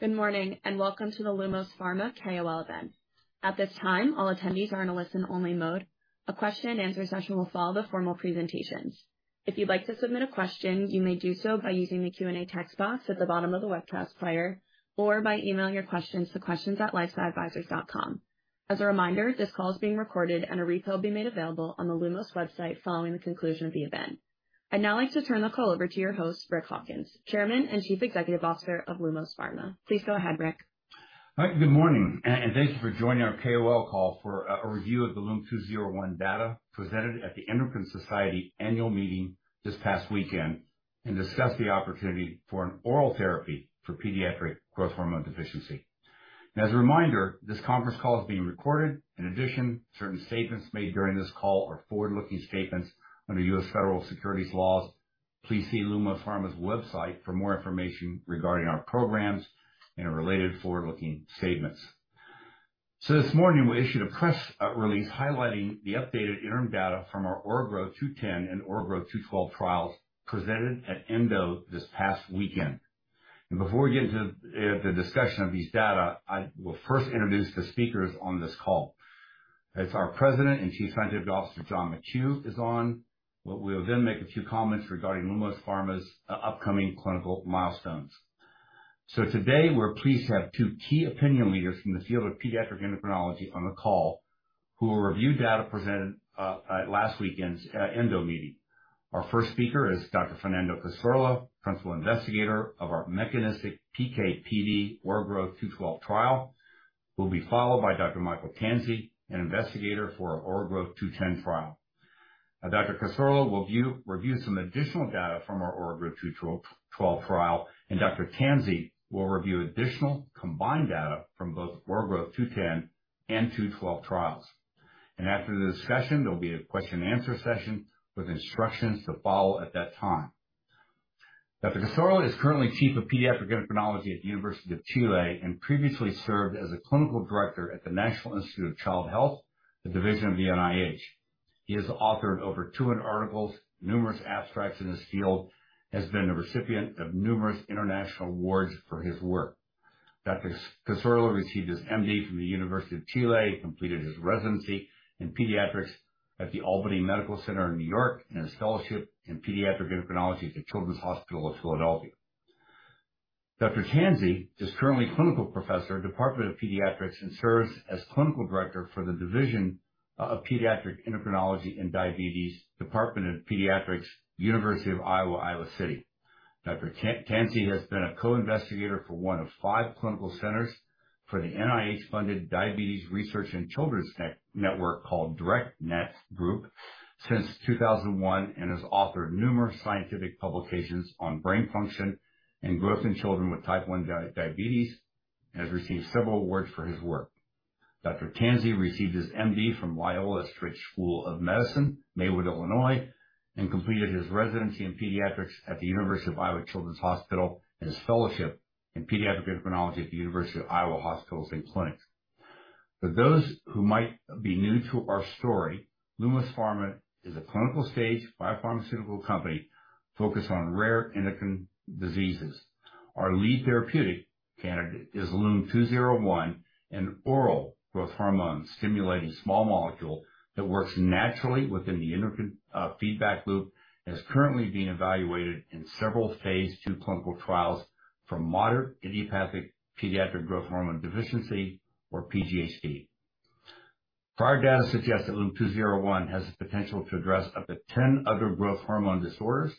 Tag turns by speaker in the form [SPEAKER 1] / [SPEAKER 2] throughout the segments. [SPEAKER 1] Good morning, welcome to the Lumos Pharma KOL event. At this time, all attendees are in a listen-only mode. A question and answer session will follow the formal presentations. If you'd like to submit a question, you may do so by using the Q&A text box at the bottom of the webcast player or by emailing your questions to questions@lifesciadvisors.com. As a reminder, this call is being recorded and a replay will be made available on the Lumos website following the conclusion of the event. I'd now like to turn the call over to your host, Rick Hawkins, Chairman and Chief Executive Officer of Lumos Pharma. Please go ahead, Rick.
[SPEAKER 2] Hi, good morning, and thank you for joining our KOL call for a review of the LUM-201 data presented at the Endocrine Society annual meeting this past weekend, and discuss the opportunity for an oral therapy for pediatric growth hormone deficiency. As a reminder, this conference call is being recorded. In addition, certain statements made during this call are forward-looking statements under U.S. federal securities laws. Please see Lumos Pharma's website for more information regarding our programs and related forward-looking statements. This morning, we issued a press release highlighting the updated interim data from our OraGrowtH210 and OraGrowtH212 trials presented at ENDO this past weekend. Before we get into the discussion of these data, I will first introduce the speakers on this call. It's our President and Chief Scientific Officer, John McKew, is on. We will then make a few comments regarding Lumos Pharma's upcoming clinical milestones. Today, we're pleased to have two key opinion leaders in the field of pediatric endocrinology on the call, who will review data presented at last weekend's ENDO meeting. Our first speaker is Dr. Fernando Cassorla, principal investigator of our mechanistic PK/PD OraGrowtH212 trial, who will be followed by Dr. Michael Tansey, an investigator for our OraGrowtH210 trial. Dr. Cassorla will review some additional data from our OraGrowtH212 trial, and Dr. Tansey will review additional combined data from both OraGrowtH210 and 212 trials. After the discussion, there will be a question and answer session with instructions to follow at that time. Dr. Cassorla is currently Chief of Pediatric Endocrinology at the University of Chile, previously served as the Clinical Director at the National Institute of Child Health, a division of the NIH. He has authored over 200 articles, numerous abstracts in his field, has been a recipient of numerous international awards for his work. Dr. Cassorla received his MD from the University of Chile, completed his residency in pediatrics at the Albany Medical Center in New York, and a scholarship in pediatric endocrinology at the Children's Hospital of Philadelphia. Dr. Tansey is currently Clinical Professor, Department of Pediatrics, serves as Clinical Director for the Division of Pediatric Endocrinology and Diabetes, Department of Pediatrics, University of Iowa. Michael Tansey has been a co-investigator for one of five clinical centers for the NIH-funded Diabetes Research in Children Network, called DirecNet group, since 2001, and has authored numerous scientific publications on brain function and growth in children with Type I diabetes, and has received several awards for his work. Dr. Tansey received his MD from Loyola University Chicago, Stritch School of Medicine, Maywood, Illinois, and completed his residency in pediatrics at the University of Iowa Stead Family Children's Hospital and his fellowship in pediatric endocrinology at the University of Iowa Hospitals and Clinics. For those who might be new to our story, Lumos Pharma is a clinical-stage biopharmaceutical company focused on rare endocrine diseases. Our lead therapeutic candidate is LUM-201, an oral growth hormone-stimulating small molecule that works naturally within the endocrine feedback loop and is currently being evaluated in several phase 2 clinical trials for moderate idiopathic pediatric growth hormone deficiency, or PGHD. Prior data suggests that LUM-201 has the potential to address up to 10 other growth hormone disorders,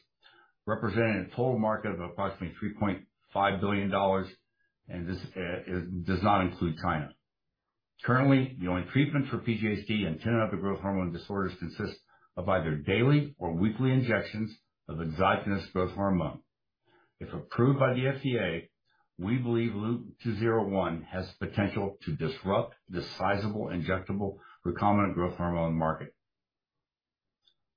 [SPEAKER 2] representing a total market of approximately $3.5 billion. This does not include China. Currently, the only treatment for PGHD and 10 other growth hormone disorders consists of either daily or weekly injections of exogenous growth hormone. If approved by the FDA, we believe LUM-201 has the potential to disrupt the sizable injectable recombinant growth hormone market.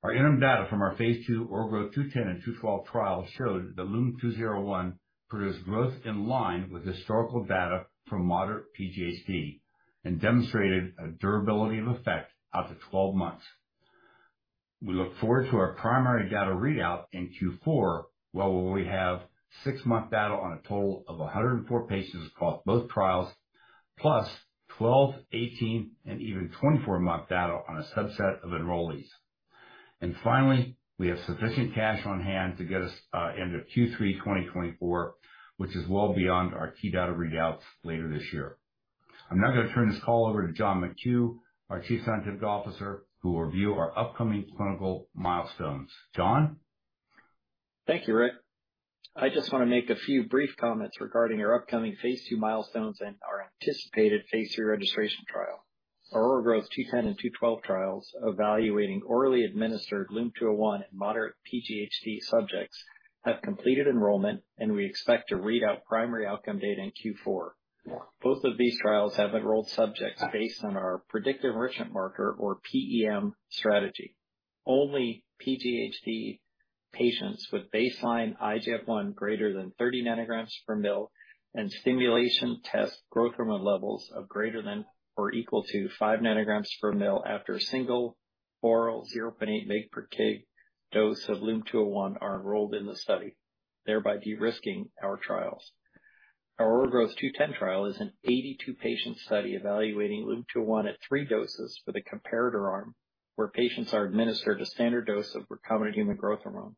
[SPEAKER 2] Our interim data from our Phase 2 OraGrowtH210 and OraGrowtH212 trials showed that the LUM-201 produced growth in line with historical data from moderate PGHD and demonstrated a durability of effect out to 12 months. We look forward to our primary data readout in Q4, where we will have 6-month data on a total of 104 patients across both trials, plus 12, 18, and even 24-month data on a subset of enrollees. Finally, we have sufficient cash on hand to get us into Q3 2024, which is well beyond our key data readouts later this year. I'm now going to turn this call over to John McKew, our Chief Scientific Officer, who will review our upcoming clinical milestones. John?
[SPEAKER 3] Thank you, Rick. I just want to make a few brief comments regarding our upcoming phase II milestones and our anticipated phase III registration trial. Our OraGrowtH210 and OraGrowtH212 trials, evaluating orally administered LUM-201 in moderate PGHD subjects, have completed enrollment, and we expect to read out primary outcome data in Q4. Both of these trials have enrolled subjects based on our predictive enrichment marker, or PEM, strategy. Only PGHD patients with baseline IGF-1 greater than 30 nanograms per ml, and stimulation test growth hormone levels of greater than or equal to 5 nanograms per ml after a single oral 0.8 mg per kg dose of LUM-201 are enrolled in the study, thereby de-risking our trials. Our OraGrowtH210 trial is an 82 patient study evaluating LUM-201 at 3 doses for the comparator arm, where patients are administered a standard dose of recombinant human growth hormone.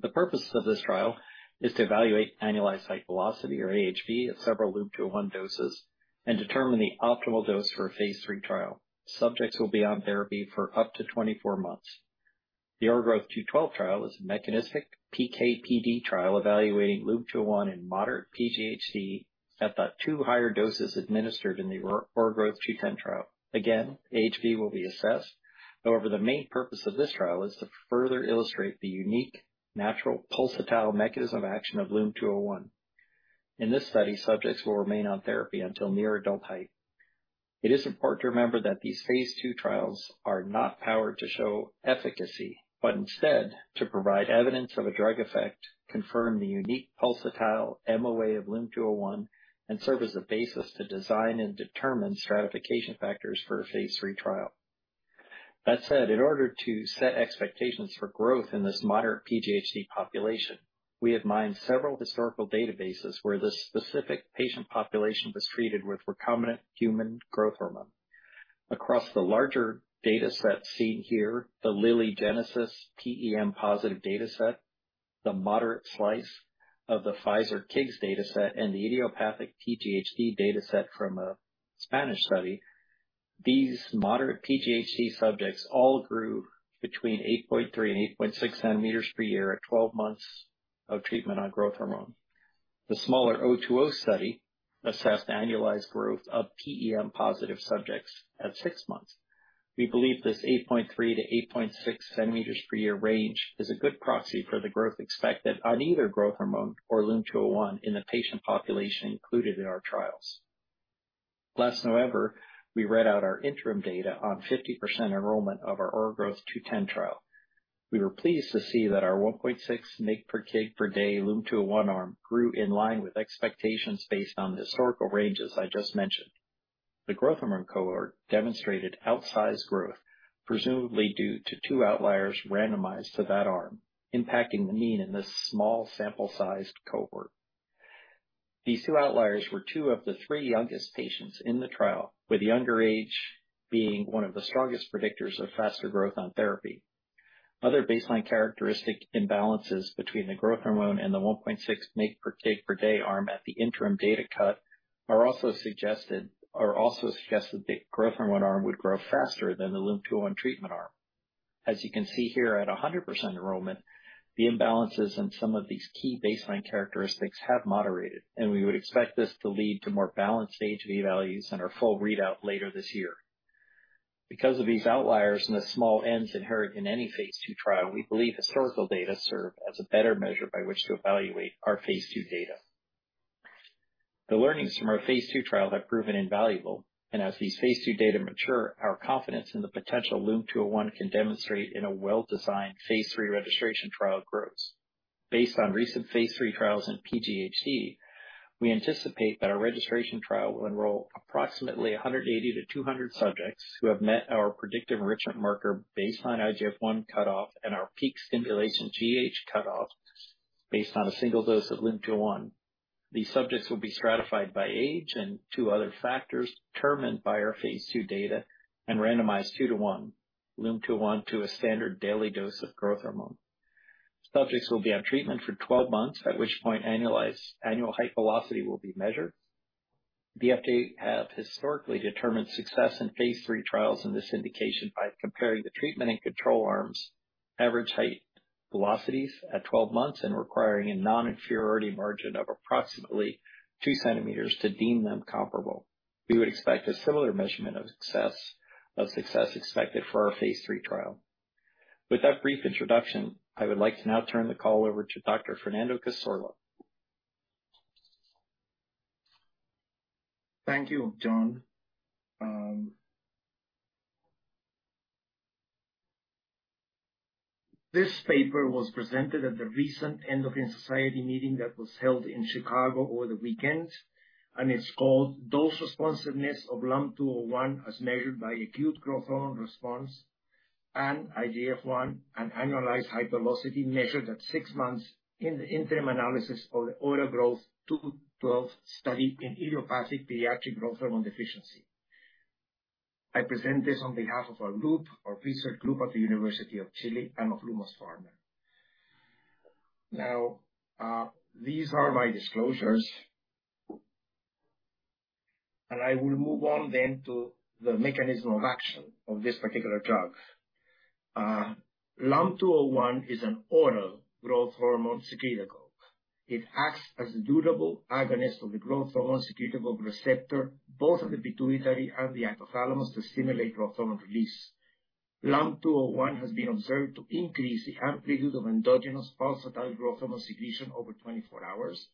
[SPEAKER 3] The purpose of this trial is to evaluate annualized height velocity, or AHV, at several LUM-201 doses and determine the optimal dose for a Phase 3 trial. Subjects will be on therapy for up to 24 months. The OraGrowtH212 trial is a mechanistic PK/PD trial evaluating LUM-201 in moderate PGHD at the 2 higher doses administered in the OraGrowtH210 trial. AHV will be assessed. The main purpose of this trial is to further illustrate the unique natural pulsatile mechanism of action of LUM-201. In this study, subjects will remain on therapy until near adult height. It is important to remember that these Phase 2 trials are not powered to show efficacy, but instead to provide evidence of a drug effect, confirm the unique pulsatile MOA of LUM-201, and serve as a basis to design and determine stratification factors for a Phase 3 trial. That said, in order to set expectations for growth in this moderate PGHD population, we have mined several historical databases where this specific patient population was treated with recombinant human growth hormone. Across the larger data set seen here, the Lilly Genesis PEM positive data set, the moderate slice of the Pfizer KIGS data set, and the idiopathic PGHD data set from a Spanish study. These moderate PGHD subjects all grew between 8.3 and 8.6 centimeters per year at 12 months of treatment on growth hormone. The smaller Merck 020 study assessed annualized growth of PEM-positive subjects at six months. We believe this 8.3-8.6 centimeters per year range is a good proxy for the growth expected on either growth hormone or LUM-201 in the patient population included in our trials. Last November, we read out our interim data on 50% enrollment of our OraGrowtH210 trial. We were pleased to see that our 1.6 mg per kg per day LUM-201 arm grew in line with expectations based on the historical ranges I just mentioned. The growth hormone cohort demonstrated outsized growth, presumably due to two outliers randomized to that arm, impacting the mean in this small sample-sized cohort. These two outliers were two of the three youngest patients in the trial, with younger age being one of the strongest predictors of faster growth on therapy. Other baseline characteristic imbalances between the growth hormone and the 1.6 mg/kg/day arm at the interim data cut are also suggested the growth hormone arm would grow faster than the LUM-201 treatment arm. As you can see here, at 100% enrollment, the imbalances in some of these key baseline characteristics have moderated. We would expect this to lead to more balanced AHV values in our full readout later this year. Because of these outliers and the small ends inherent in any phase 2 trial, we believe historical data serve as a better measure by which to evaluate our phase 2 data. The learnings from our phase 2 trial have proven invaluable. As these phase 2 data mature, our confidence in the potential LUM-201 can demonstrate in a well-designed phase 3 registration trial grows. Based on recent phase 3 trials in PGHD, we anticipate that our registration trial will enroll approximately 180-200 subjects, who have met our Predictive Enrichment Marker baseline IGF-1 cutoff and our peak stimulation GH cutoff based on a single dose of LUM-201. These subjects will be stratified by age and two other factors determined by our phase 2 data and randomized 2 to 1, LUM-201 to a standard daily dose of growth hormone. Subjects will be on treatment for 12 months, at which point annualized annual height velocity will be measured. The FDA have historically determined success in phase 3 trials in this indication by comparing the treatment and control arms' average height velocities at 12 months and requiring a non-inferiority margin of approximately 2 centimeters to deem them comparable. We would expect a similar measurement of success, of success expected for our phase 3 trial. With that brief introduction, I would like to now turn the call over to Dr. Fernando Cassorla.
[SPEAKER 4] Thank you, John. This paper was presented at the recent Endocrine Society meeting that was held in Chicago over the weekend, and it's called Dose Responsiveness of LUM-201, as Measured by Acute Growth Hormone Response and IGF-1 and Annualized Height Velocity measured at 6 months in the Interim Analysis of the OraGrowtH212 Study in Idiopathic Pediatric Growth Hormone Deficiency. I present this on behalf of our group, our research group at the University of Chile and of Lumos Pharma. These are my disclosures. I will move on to the mechanism of action of this particular drug. LUM-201 is an oral growth hormone secretagogue. It acts as a durable agonist of the growth hormone secretagogue receptor, both of the pituitary and the hypothalamus to stimulate growth hormone release. LUM-201 has been observed to increase the amplitude of endogenous pulsatile growth hormone secretion over 24 hours.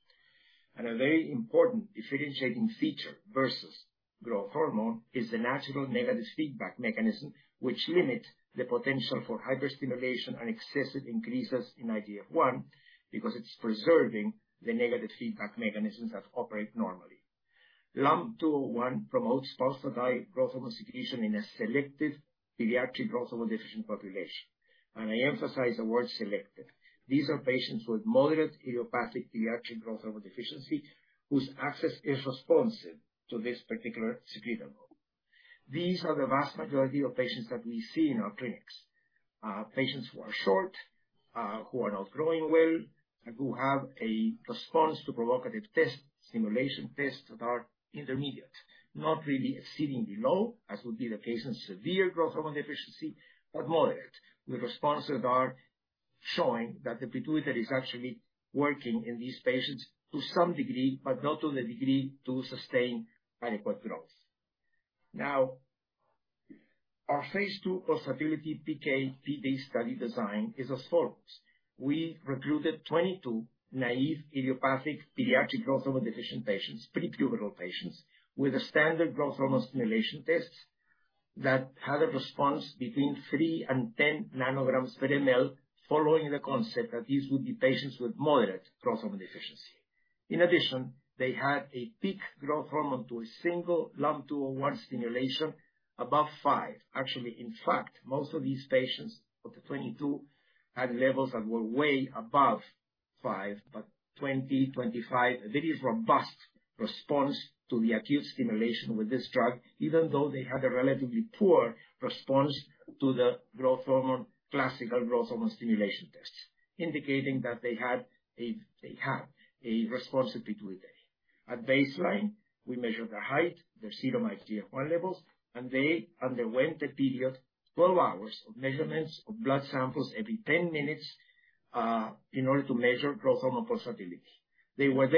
[SPEAKER 4] A very important differentiating feature versus growth hormone is the natural negative feedback mechanism, which limits the potential for hyperstimulation and excessive increases in IGF-1, because it's preserving the negative feedback mechanisms that operate normally. LUM-201 promotes pulse-per-day growth hormone secretion in a selected pediatric growth hormone deficient population, I emphasize the word selected. These are patients with moderate idiopathic pediatric growth hormone deficiency, whose axis is responsive to this particular secretagogue. These are the vast majority of patients that we see in our clinics. Patients who are short, who are not growing well, and who have a response to provocative test, stimulation tests that are intermediate, not really exceedingly low, as would be the case in severe growth hormone deficiency, but moderate, with responses that are showing that the pituitary is actually working in these patients to some degree, but not to the degree to sustain adequate growth. Our Phase 2 pulsatility PK/PD study design is as follows: We recruited 22 naive idiopathic pediatric growth hormone deficient patients, prepubertal patients, with a standard growth hormone stimulation tests, that had a response between 3 and 10 nanograms per ml, following the concept that these would be patients with moderate growth hormone deficiency. In addition, they had a peak growth hormone to a single LUM-201 stimulation above 5. Actually, in fact, most of these patients, of the 22, had levels that were way above 5, but 20, 25, a very robust response to the acute stimulation with this drug, even though they had a relatively poor response to the growth hormone, classical growth hormone stimulation tests. Indicating that they have a responsive pituitary. At baseline, we measured their height, their serum IGF-I levels, and they underwent a period of 12 hours of measurements of blood samples every 10 minutes, in order to measure growth hormone pulsatility. They were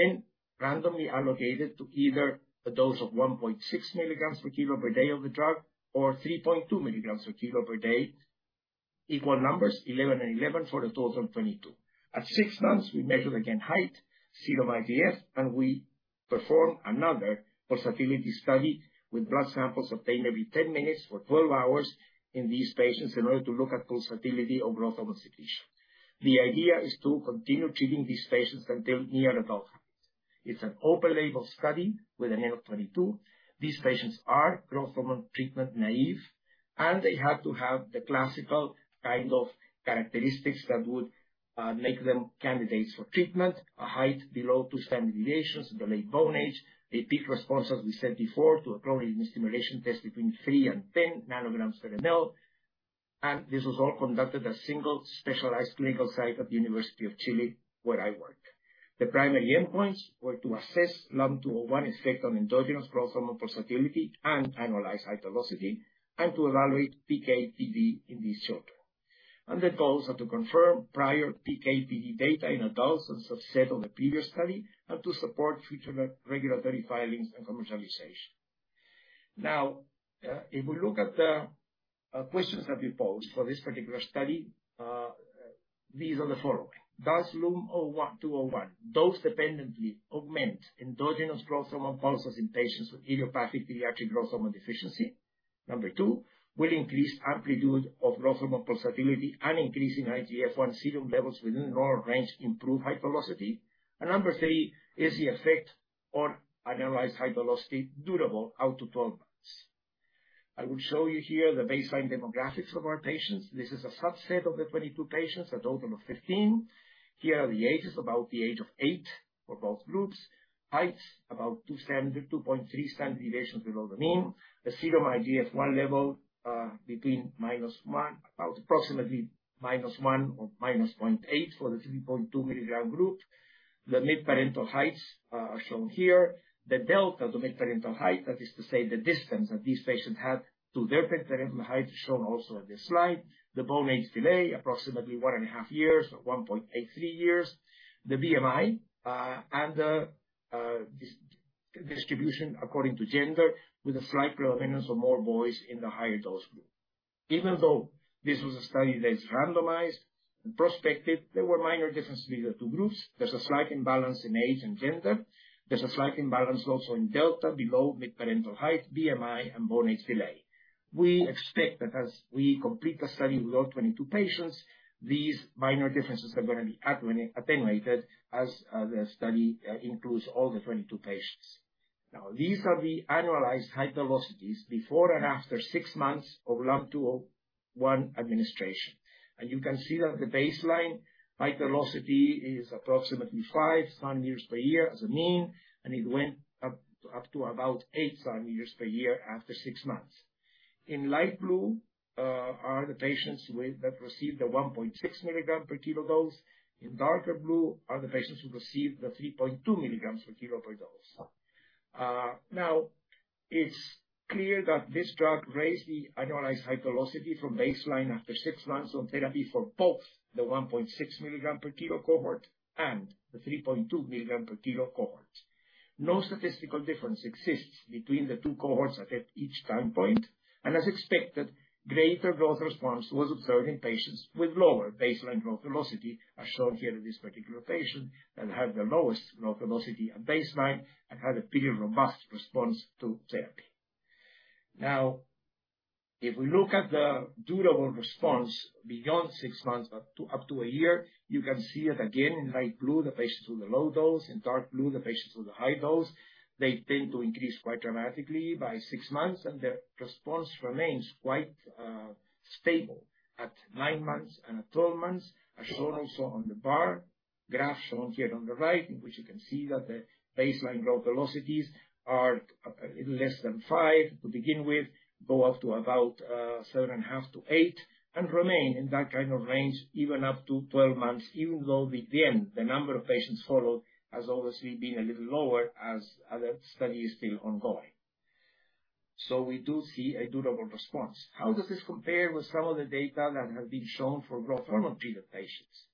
[SPEAKER 4] randomly allocated to either a dose of 1.6 milligrams per kilo per day of the drug, or 3.2 milligrams per kilo per day. Equal numbers, 11 and 11, for a total of 22. At six months, we measured again height, serum IGF, and we performed another pulsatility study with blood samples obtained every 10 minutes for 12 hours in these patients in order to look at pulsatility of growth hormone secretion. The idea is to continue treating these patients until near adulthood. It's an open-label study with an N of 22. These patients are growth hormone treatment naive. They had to have the classical kind of characteristics that would make them candidates for treatment, a height below two standard deviations, delayed bone age, a peak response, as we said before, to a clonidine stimulation test between three and 10 nanograms per ml. This was all conducted at a single specialized clinical site at the University of Chile, where I work. The primary endpoints were to assess LUM-201 effect on endogenous growth hormone pulsatility and annualized height velocity, and to evaluate PK/PD in these children. The goals are to confirm prior PK/PD data in adults and subset of the previous study, and to support future regulatory filings and commercialization. Now, if we look at the questions that we posed for this particular study, these are the following: Does LUM-201 dose-dependently augment endogenous growth hormone pulses in patients with idiopathic pediatric growth hormone deficiency? Number two, will increased amplitude of growth hormone pulsatility and increase in IGF-I serum levels within the normal range improve height velocity? Number three, is the effect on annualized height velocity durable out to 12 months? I will show you here the baseline demographics of our patients. This is a subset of the 22 patients, a total of 15. Here are the ages, about the age of 8 for both groups. Heights, about 2.3 standard deviations below the mean. The serum IGF-I level, between -1, about approximately -1 or -0.8 for the 3.2 milligram group. The mid-parental heights are shown here. The delta, the mid-parental height, that is to say, the distance that these patients had to their midparental height, is shown also on this slide. The bone age delay, approximately 1.5 years, or 1.83 years. The BMI, and the distribution according to gender, with a slight predominance of more boys in the higher dose group. Even though this was a study that is randomized and prospective, there were minor differences between the two groups. There's a slight imbalance in age and gender. There's a slight imbalance also in delta below midparental height, BMI, and bone age delay. We expect that as we complete the study with all 22 patients, these minor differences are gonna be attenuated as the study includes all the 22 patients. Now, these are the annualized height velocities before and after 6 months of LUM-201 administration. You can see that the baseline height velocity is approximately 5 centimeters per year as a mean, and it went up to about 8 centimeters per year after 6 months. In light blue, are the patients that received the 1.6 milligram per kilo dose. In darker blue, are the patients who received the 3.2 milligrams per kilo per dose. It's clear that this drug raised the annualized height velocity from baseline after 6 months on therapy for both the 1.6 milligram per kilo cohort and the 3.2 milligram per kilo cohort. No statistical difference exists between the 2 cohorts at each time point. As expected, greater growth response was observed in patients with lower baseline growth velocity, as shown here in this particular patient, and had the lowest growth velocity at baseline and had a pretty robust response to therapy. If we look at the durable response beyond 6 months up to 1 year, you can see it again in light blue, the patients with the low dose, in dark blue, the patients with the high dose. They tend to increase quite dramatically by six months, and the response remains quite stable at nine months and at 12 months, as shown also on the bar graph shown here on the right, in which you can see that the baseline growth velocities are a little less than five to begin with, go up to about 7.5-8, and remain in that kind of range even up to 12 months, even though the N, the number of patients followed, has obviously been a little lower as the study is still ongoing. We do see a durable response. How does this compare with some of the data that have been shown for growth hormone treated patients?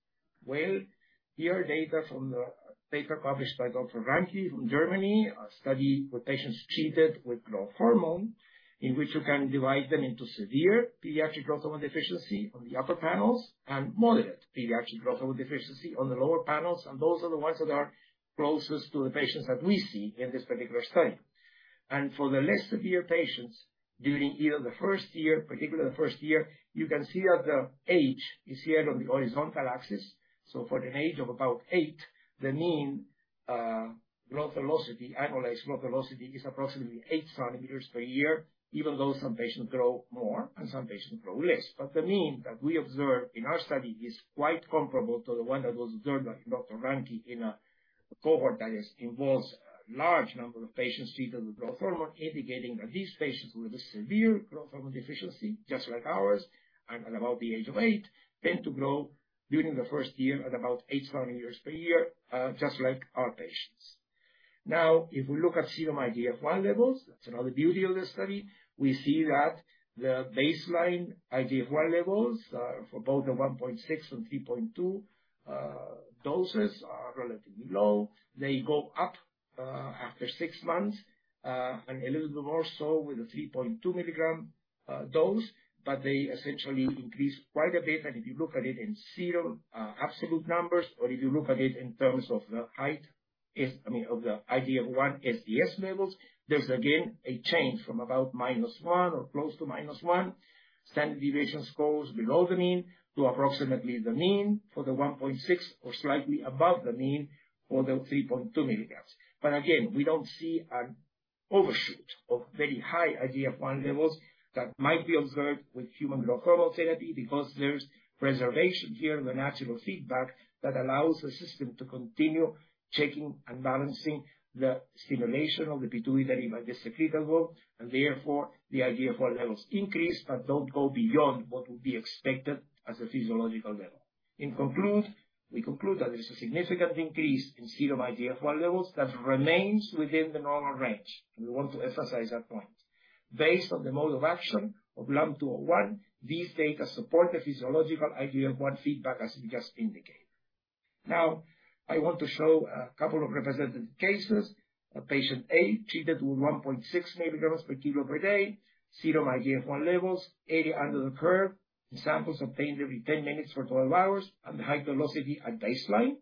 [SPEAKER 4] Here are data from the paper published by Dr. Ranke from Germany, a study where patients treated with growth hormone, in which you can divide them into severe pediatric growth hormone deficiency on the upper panels, and moderate pediatric growth hormone deficiency on the lower panels. Those are the ones that are closest to the patients that we see in this particular study. For the less severe patients, during either the first year, particularly the first year, you can see that the age is here on the horizontal axis. For an age of about 8, the mean growth velocity, annualized growth velocity, is approximately 8 centimeters per year, even though some patients grow more and some patients grow less. The mean that we observe in our study is quite comparable to the one that was observed by Dr. Ranke in a cohort that involves a large number of patients treated with growth hormone, indicating that these patients with a severe growth hormone deficiency, just like ours, and at about the age of eight, tend to grow during the first year at about eight centimeters per year, just like our patients. If we look at serum IGF-1 levels, that's another beauty of this study. We see that the baseline IGF-1 levels, for both the 1.6 and 3.2 doses are relatively low. They go up after six months, and a little bit more so with the 3.2 milligram dose, but they essentially increase quite a bit. If you look at it in serum, absolute numbers, or if you look at it in terms of the height, I mean, of the IGF-1 SDS levels, there's again a change from about -1 or close to -1 standard deviation scores below the mean, to approximately the mean for the 1.6, or slightly above the mean for the 3.2 milligrams. Again, we don't see an overshoot of very high IGF-1 levels that might be observed with human growth hormone therapy, because there's preservation here of a natural feedback that allows the system to continue checking and balancing the stimulation of the pituitary by the secretagogue, and therefore, the IGF-1 levels increase but don't go beyond what would be expected as a physiological level. We conclude that there's a significant increase in serum IGF-1 levels that remains within the normal range. We want to emphasize that point. Based on the mode of action of LUM-201, these data support the physiological IGF-1 feedback, as we just indicated. Now, I want to show a couple of representative cases. A patient A, treated with 1.6 milligrams per kilo per day, serum IGF-1 levels, area under the curve, in samples obtained every 10 minutes for 12 hours, and the height velocity at baseline.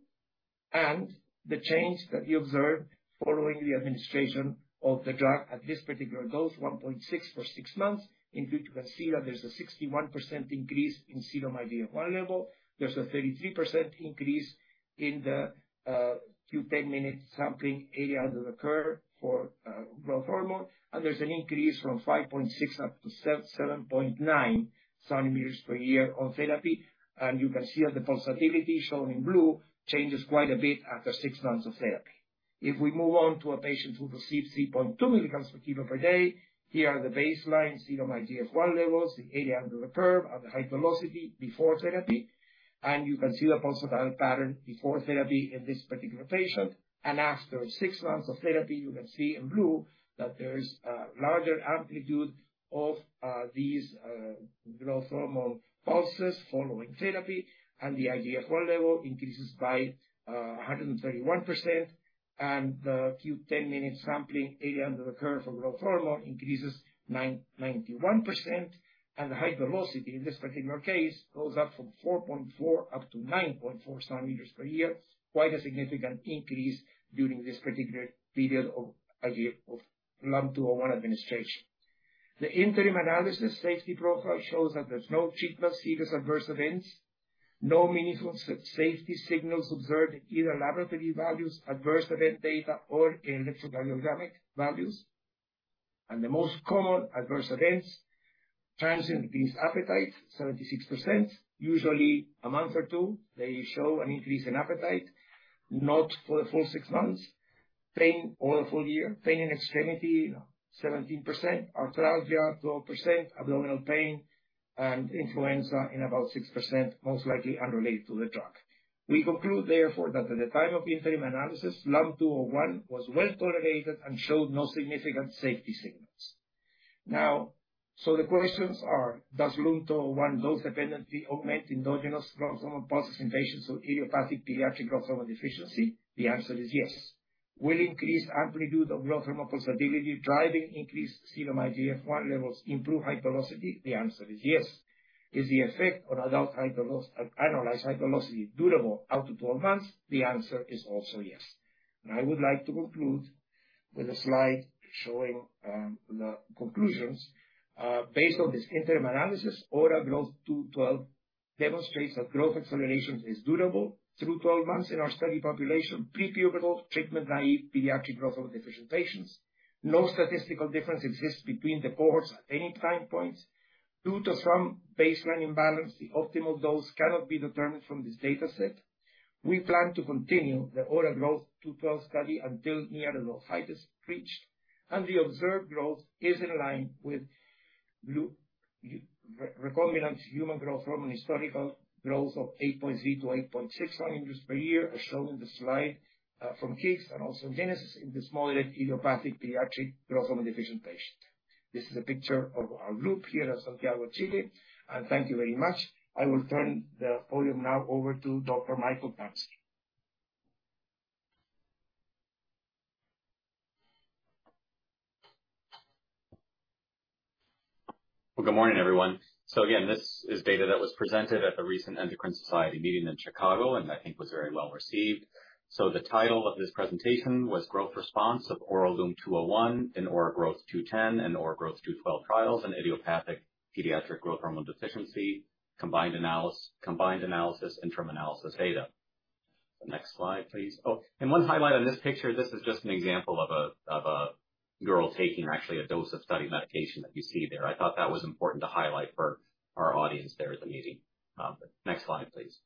[SPEAKER 4] The change that we observed following the administration of the drug at this particular dose, 1.6 for 6 months, in which you can see that there's a 61% increase in serum IGF-1 level. There's a 33% increase in the Q 10 minutes sampling area under the curve for growth hormone, and there's an increase from 5.6 up to 7.9 centimeters per year on therapy. You can see that the pulsatility, shown in blue, changes quite a bit after 6 months of therapy. If we move on to a patient who received 3.2 milligrams per kilo per day, here are the baseline serum IGF-1 levels, the area under the curve, and the height velocity before therapy. You can see the pulsatile pattern before therapy in this particular patient. After 6 months of therapy, you can see in blue that there is a larger amplitude of these growth hormone pulses following therapy, and the IGF-1 level increases by 131%. The Q 10 minutes sampling area under the curve for growth hormone increases 91%, and the height velocity in this particular case goes up from 4.4 up to 9.4 centimeters per year. Quite a significant increase during this particular period of LUM-201 administration. The interim analysis safety profile shows that there's no treatment-related adverse events, no meaningful safety signals observed in either laboratory values, adverse event data, or in electrocardiogram values. The most common adverse events, transient decreased appetite, 76%, usually a month or two, they show an increase in appetite, not for the full 6 months. Pain or a full year, pain in extremity, 17%, arthralgia, 12%, abdominal pain, and influenza in about 6%, most likely unrelated to the drug. We conclude, therefore, that at the time of interim analysis, LUM-201 was well tolerated and showed no significant safety signals. Now, the questions are: Does LUM-201 dose-dependently augment endogenous growth hormone pulses in patients with idiopathic pediatric growth hormone deficiency? The answer is yes. Will increased amplitude of growth hormone pulsatility, driving increased serum IGF-1 levels, improve height velocity? The answer is yes. Is the effect on adult annualized height velocity durable out to 12 months? The answer is also yes. I would like to conclude with a slide showing the conclusions. Based on this interim analysis, OraGrowtH212 demonstrates that growth acceleration is durable through 12 months in our study population, prepubertal, treatment-naive pediatric growth hormone deficient patients. No statistical difference exists between the cohorts at any time points. Due to some baseline imbalance, the optimal dose cannot be determined from this data set. We plan to continue the OraGrowtH212 study until near adult height is reached, and the observed growth is in line with recombinant human growth hormone, historical growth of 8.3-8.6 cm per year, as shown in the slide, from kids and also Genesis in the small idiopathic pediatric growth hormone deficient patient. This is a picture of our group here at Santiago, Chile, and thank you very much. I will turn the podium now over to Dr. Michael Tansey.
[SPEAKER 5] Well, good morning, everyone. Again, this is data that was presented at the recent Endocrine Society meeting in Chicago, and I think was very well received. The title of this presentation was Growth Response of Oral LUM-201 in OraGrowtH210 and OraGrowtH212 trials in idiopathic pediatric growth hormone deficiency, combined analysis, interim analysis data. The next slide, please. And one highlight on this picture, this is just an example of a girl taking actually a dose of study medication that you see there. I thought that was important to highlight for our audience there at the meeting. Next slide, please.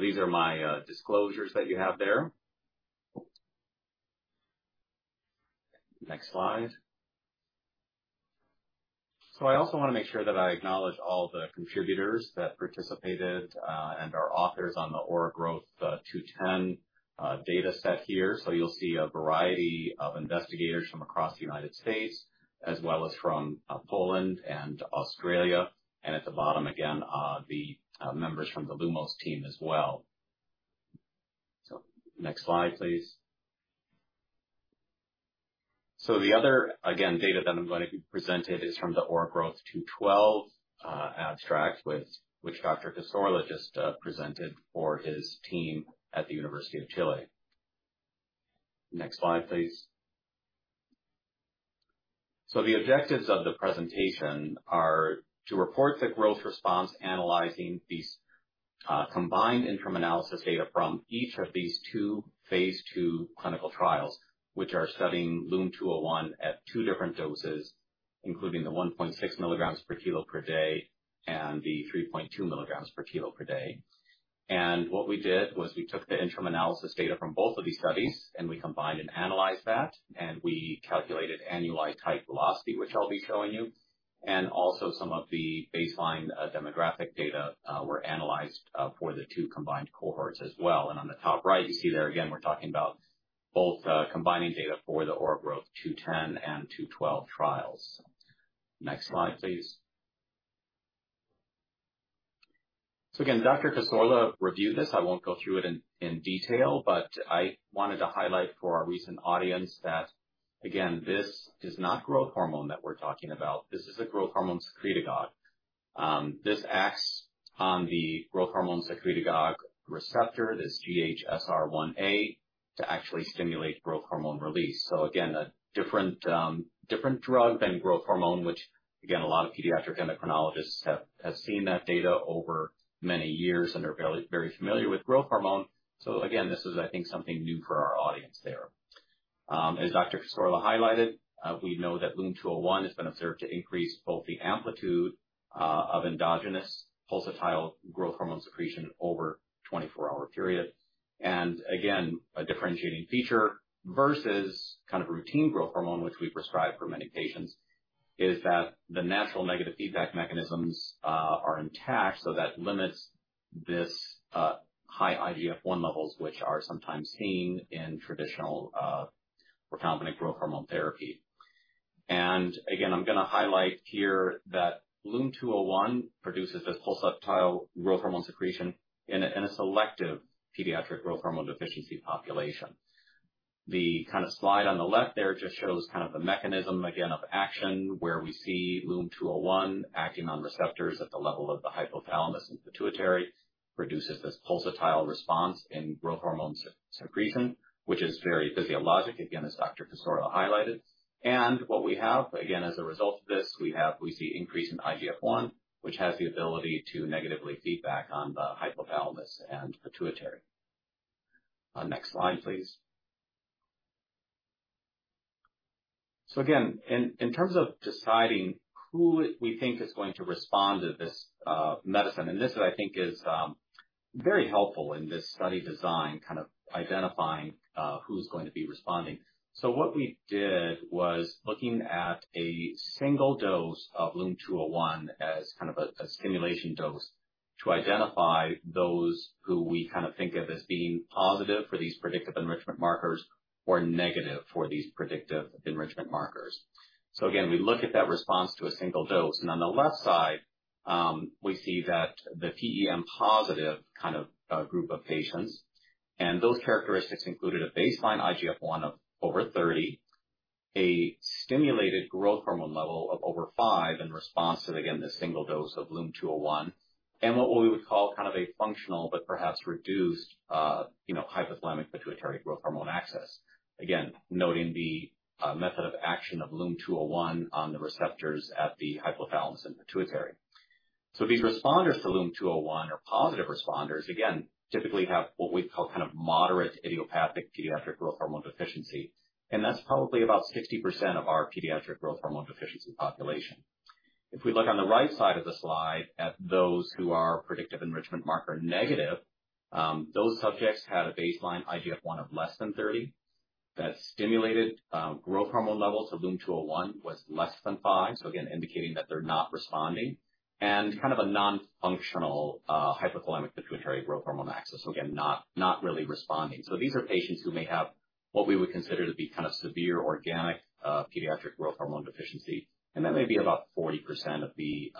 [SPEAKER 5] These are my disclosures that you have there. Next slide. I also want to make sure that I acknowledge all the contributors that participated and are authors on the OraGrowtH210 data set here. You'll see a variety of investigators from across the United States, as well as from Poland and Australia. At the bottom again, the members from the Lumos team as well. Next slide, please. The other, again, data that I'm going to be presenting is from the OraGrowtH212 abstract, which Dr. Cassorla just presented for his team at the University of Chile. Next slide, please. The objectives of the presentation are to report the growth response, analyzing these combined interim analysis data from each of these 2 phase 2 clinical trials, which are studying LUM-201 at 2 different doses, including the 1.6 milligrams per kilo per day and the 3.2 milligrams per kilo per day. What we did was we took the interim analysis data from both of these studies and we combined and analyzed that, and we calculated annualized height velocity, which I'll be showing you. Also some of the baseline demographic data were analyzed for the 2 combined cohorts as well. On the top right, you see there again, we're talking about both combining data for the OraGrowtH210 and OraGrowtH212 trials. Next slide, please. Again, Dr. Cassorla reviewed this. I won't go through it in detail, but I wanted to highlight for our recent audience that again, this is not growth hormone that we're talking about. This is a growth hormone secretagogue. This acts on the growth hormone secretagogue receptor, this GHS-R1a, to actually stimulate growth hormone release. Again, a different drug than growth hormone, which again, a lot of pediatric endocrinologists have seen that data over many years and are very, very familiar with growth hormone. Again, this is, I think, something new for our audience there. As Dr. Cassorla highlighted, we know that LUM-201 has been observed to increase both the amplitude of endogenous pulsatile growth hormone secretion over 24-hour periods. Again, a differentiating feature versus kind of routine growth hormone, which we prescribe for many patients, is that the natural negative feedback mechanisms are intact. That limits this high IGF-I levels, which are sometimes seen in traditional recombinant growth hormone therapy. Again, I'm going to highlight here that LUM-201 produces this pulsatile growth hormone secretion in a selective pediatric growth hormone deficiency population. The kind of slide on the left there just shows kind of the mechanism, again, of action, where we see LUM-201 acting on receptors at the level of the hypothalamus and pituitary, produces this pulsatile response in growth hormone secretion, which is very physiologic, again, as Dr. Cassorla highlighted. What we have, again, as a result of this, we see increase in IGF-I, which has the ability to negatively feedback on the hypothalamus and pituitary. Next slide, please. Again, in terms of deciding who we think is going to respond to this medicine, and this I think is very helpful in this study design, kind of identifying who's going to be responding. What we did was looking at a single dose of LUM-201 as kind of a stimulation dose, to identify those who we kind of think of as being positive for these predictive enrichment markers or negative for these predictive enrichment markers. Again, we look at that response to a single dose, and on the left side, we see that the PEM positive kind of group of patients and those characteristics included a baseline IGF-I of over 30. A stimulated growth hormone level of over 5 in response to, again, the single dose of LUM-201, and what we would call kind of a functional but perhaps reduced, hypothalamic pituitary growth hormone axis. Again, noting the method of action of LUM-201 on the receptors at the hypothalamus and pituitary. These responders to LUM-201, or positive responders, again, typically have what we'd call kind of moderate idiopathic pediatric growth hormone deficiency, and that's probably about 60% of our pediatric growth hormone deficiency population. If we look on the right side of the slide at those who are Predictive Enrichment Marker negative, those subjects had a baseline IGF-1 of less than 30. That stimulated growth hormone levels of LUM-201 was less than 5, so again, indicating that they're not responding, and kind of a non-functional hypothalamic pituitary growth hormone axis. Again, not really responding. These are patients who may have what we would consider to be kind of severe organic pediatric growth hormone deficiency, and that may be about 40% of the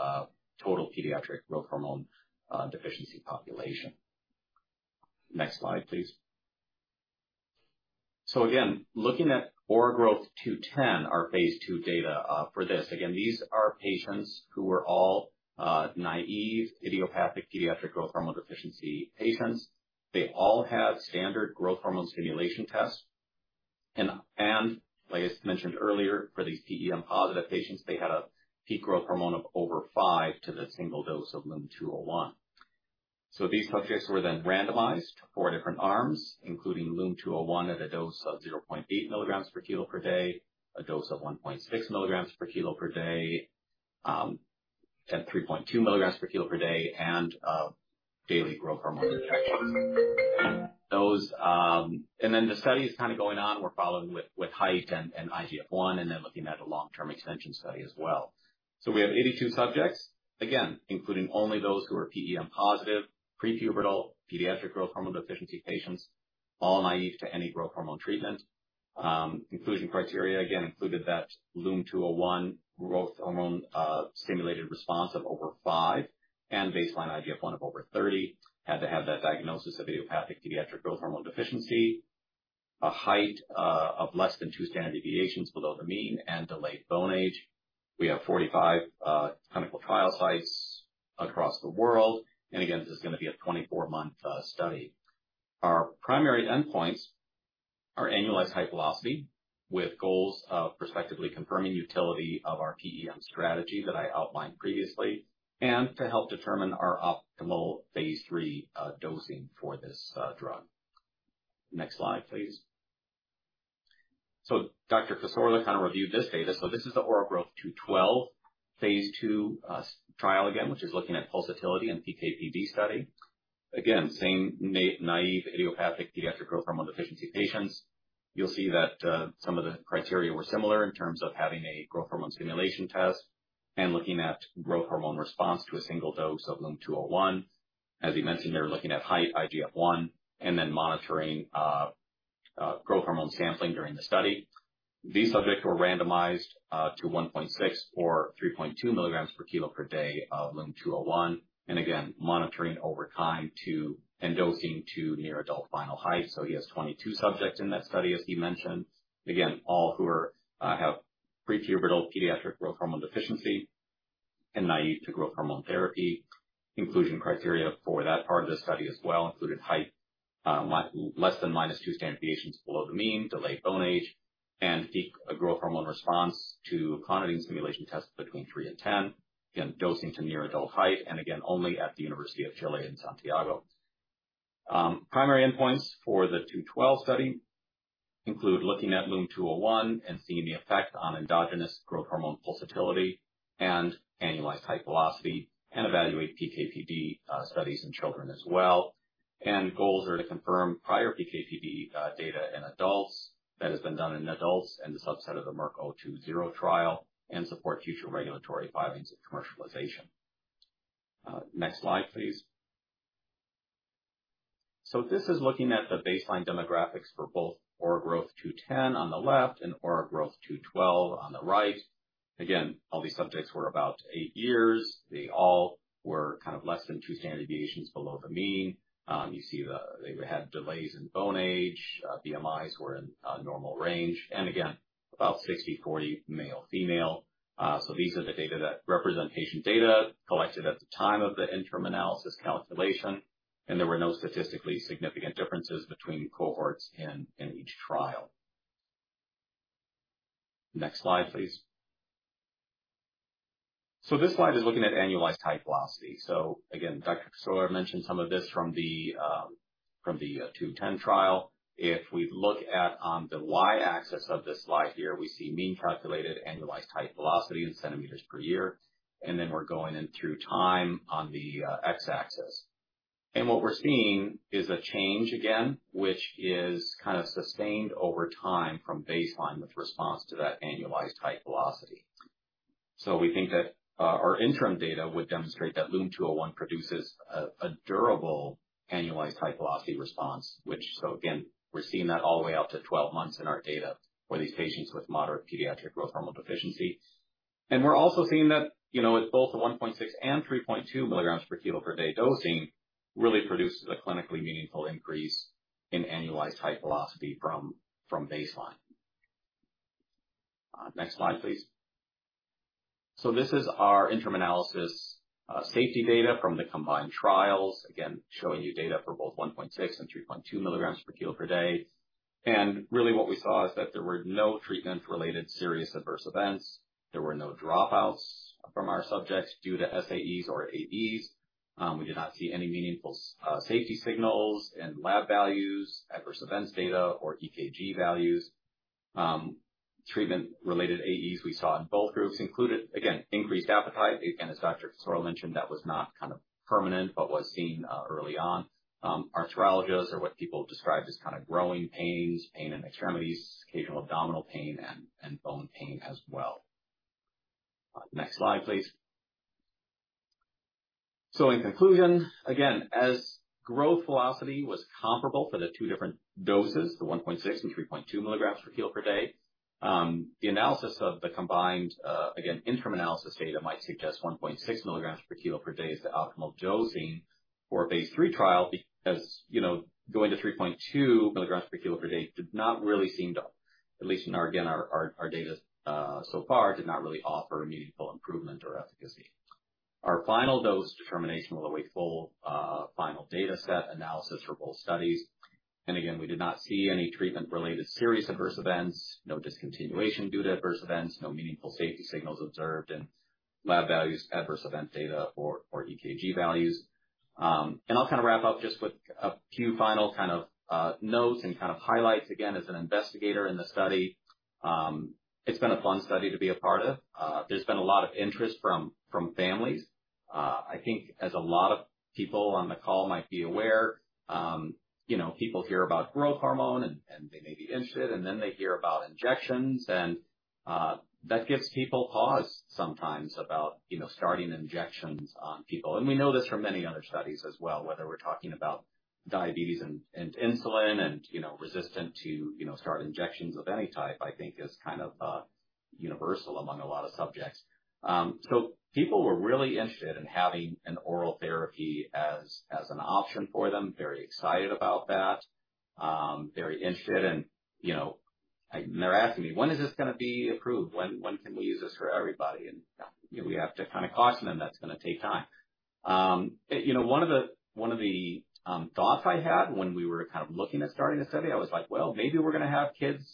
[SPEAKER 5] total pediatric growth hormone deficiency population. Next slide, please. Again, looking at OraGrowtH210, our Phase 2 data for this. Again, these are patients who were all naive, idiopathic, pediatric growth hormone deficiency patients. They all had standard growth hormone stimulation tests. Like I mentioned earlier, for these PEM-positive patients, they had a peak growth hormone of over 5 to the single dose of LUM-201. These subjects were then randomized to 4 different arms, including LUM-201, at a dose of 0.8 milligrams per kilo per day, a dose of 1.6 milligrams per kilo per day, and 3.2 milligrams per kilo per day, and daily growth hormone injections. The study is kind of going on. We're following with height and IGF-1, and then looking at a long-term extension study as well. We have 82 subjects, again, including only those who are PEM-positive, prepubertal pediatric growth hormone deficiency patients, all naive to any growth hormone treatment. Inclusion criteria again, included that LUM-201 growth hormone stimulated response of over 5 and baseline IGF-1 of over 30, had to have that diagnosis of idiopathic pediatric growth hormone deficiency, a height of less than 2 standard deviations below the mean and delayed bone age. We have 45 clinical trial sites across the world, again, this is gonna be a 24-month study. Our primary endpoints are annualized height velocity, with goals of respectively confirming utility of our PEM strategy that I outlined previously, and to help determine our optimal phase 3 dosing for this drug. Next slide, please. Dr. Cassorla kind of reviewed this data. This is the OraGrowtH212, phase 2 trial again, which is looking at pulsatility and PK/PD study. Again, same naive, idiopathic, pediatric growth hormone deficiency patients. You'll see that some of the criteria were similar in terms of having a growth hormone stimulation test and looking at growth hormone response to a single dose of LUM-201. As he mentioned, they're looking at height, IGF-1, and then monitoring growth hormone sampling during the study. These subjects were randomized to 1.6 or 3.2 milligrams per kilo per day of LUM-201, and again, monitoring over time and dosing to near adult final height. He has 22 subjects in that study, as he mentioned. Again, all who are have prepubertal pediatric growth hormone deficiency and naive to growth hormone therapy. Inclusion criteria for that part of the study as well, included height, less than -2 standard deviations below the mean, delayed bone age, and peak growth hormone response to clonidine stimulation tests between 3 and 10. Dosing to near adult height and again, only at the University of Chile in Santiago. Primary endpoints for the 212 study include looking at LUM-201 and seeing the effect on endogenous growth hormone pulsatility and annualized height velocity and evaluate PK/PD studies in children as well. Goals are to confirm prior PK/PD data in adults that has been done in adults and the subset of the Merck 020 trial and support future regulatory filings and commercialization. Next slide, please. This is looking at the baseline demographics for both OraGrowtH210 on the left and OraGrowtH212 on the right. Again, all these subjects were about 8 years. They all were kind of less than 2 standard deviations below the mean. You see, they had delays in bone age. BMIs were in normal range and again, about 60/40 male/female. These are the data that represent patient data collected at the time of the interim analysis calculation, and there were no statistically significant differences between cohorts in each trial. Next slide, please. This slide is looking at annualized height velocity. Again, Dr. Cassorla mentioned some of this from the 210 trial. If we look at, the Y-axis of this slide here, we see mean calculated annualized height velocity in centimeters per year, and then we're going in through time on the X-axis. What we're seeing is a change again, which is kind of sustained over time from baseline with response to that annualized height velocity. We think that, our interim data would demonstrate that LUM-201 produces a durable annualized height velocity response, which so again, we're seeing that all the way out to 12 months in our data for these patients with moderate pediatric growth hormone deficiency. We're also seeing that, with both the 1.6 and 3.2 milligrams per kilo per day dosing really produces a clinically meaningful increase in annualized height velocity from baseline. Next slide, please. This is our interim analysis, safety data from the combined trials. Showing you data for both 1.6 and 3.2 milligrams per kilo per day. Really what we saw is that there were no treatment-related serious adverse events. There were no dropouts from our subjects due to SAEs or AEs. We did not see any meaningful safety signals in lab values, adverse events data, or EKG values. Treatment-related AEs we saw in both groups included increased appetite, as Dr. Cassorla mentioned, that was not kind of permanent, but was seen early on. Arthralgias or what people described as kind of growing pains, pain in extremities, occasional abdominal pain and bone pain as well. Next slide, please. In conclusion, again, as growth velocity was comparable for the two different doses, the 1.6 and 3.2 milligrams per kilo per day, the analysis of the combined, again, interim analysis data might suggest 1.6 milligrams per kilo per day is the optimal dosing for a phase 3 trial. Going to 3.2 milligrams per kilo per day did not really seem to, at least in our, again, our data, so far, did not really offer meaningful improvement or efficacy. Our final dose determination will await full, final dataset analysis for both studies. Again, we did not see any treatment-related Serious Adverse Events, no discontinuation due to Adverse Events, no meaningful safety signals observed in lab values, Adverse Event data or EKG values. I'll kind of wrap up just with a few final kind of notes and kind of highlights. Again, as an investigator in the study, it's been a fun study to be a part of. There's been a lot of interest from families. I think as a lot of people on the call might be aware, people hear about growth hormone and they may be interested, and then they hear about injections, and that gives people pause sometimes about, starting injections on people. We know this from many other studies as well, whether we're talking about diabetes and insulin and, resistant to, start injections of any type, I think is kind of universal among a lot of subjects. People were really interested in having an oral therapy as an option for them. Very excited about that. Very interested, and they're asking me: When is this going to be approved? When can we use this for everybody? We have to kind of caution them, that's going to take time. one of the thoughts I had when we were kind of looking at starting the study, I was like: Well, maybe we're going to have kids,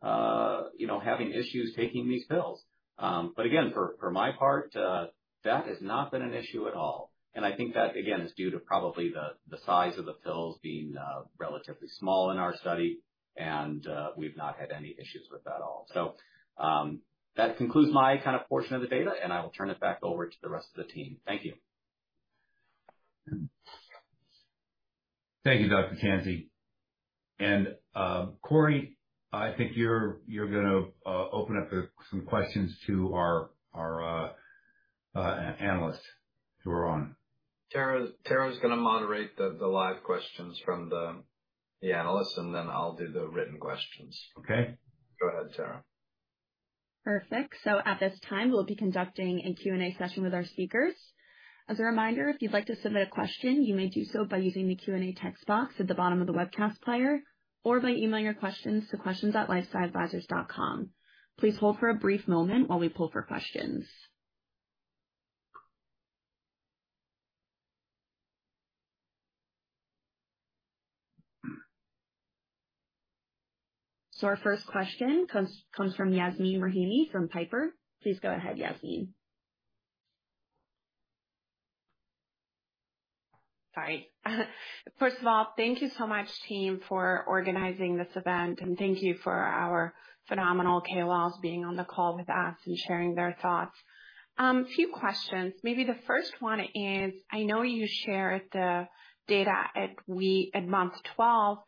[SPEAKER 5] having issues taking these pills. But again, for my part, that has not been an issue at all. I think that, again, is due to probably the size of the pills being relatively small in our study, and we've not had any issues with that at all. That concludes my kind of portion of the data, and I will turn it back over to the rest of the team. Thank you.
[SPEAKER 2] Thank you, Dr. Tansey. Corey, I think you're gonna open up some questions to our analysts who are on.
[SPEAKER 6] Tara is going to moderate the live questions from the analysts, and then I'll do the written questions. Okay.
[SPEAKER 1] Go ahead, Tara. Perfect. At this time, we'll be conducting a Q&A session with our speakers. As a reminder, if you'd like to submit a question, you may do so by using the Q&A text box at the bottom of the webcast player or by emailing your questions to questions@lifesciadvisors.com. Please hold for a brief moment while we pull for questions. Our first question comes from Yasmeen Rahimi from Piper Sandler. Please go ahead, Yasmeen.
[SPEAKER 7] Sorry. First of all, thank you so much, team, for organizing this event. Thank you for our phenomenal KOLs being on the call with us and sharing their thoughts. A few questions. Maybe the first one is, I know you shared the data at month 12.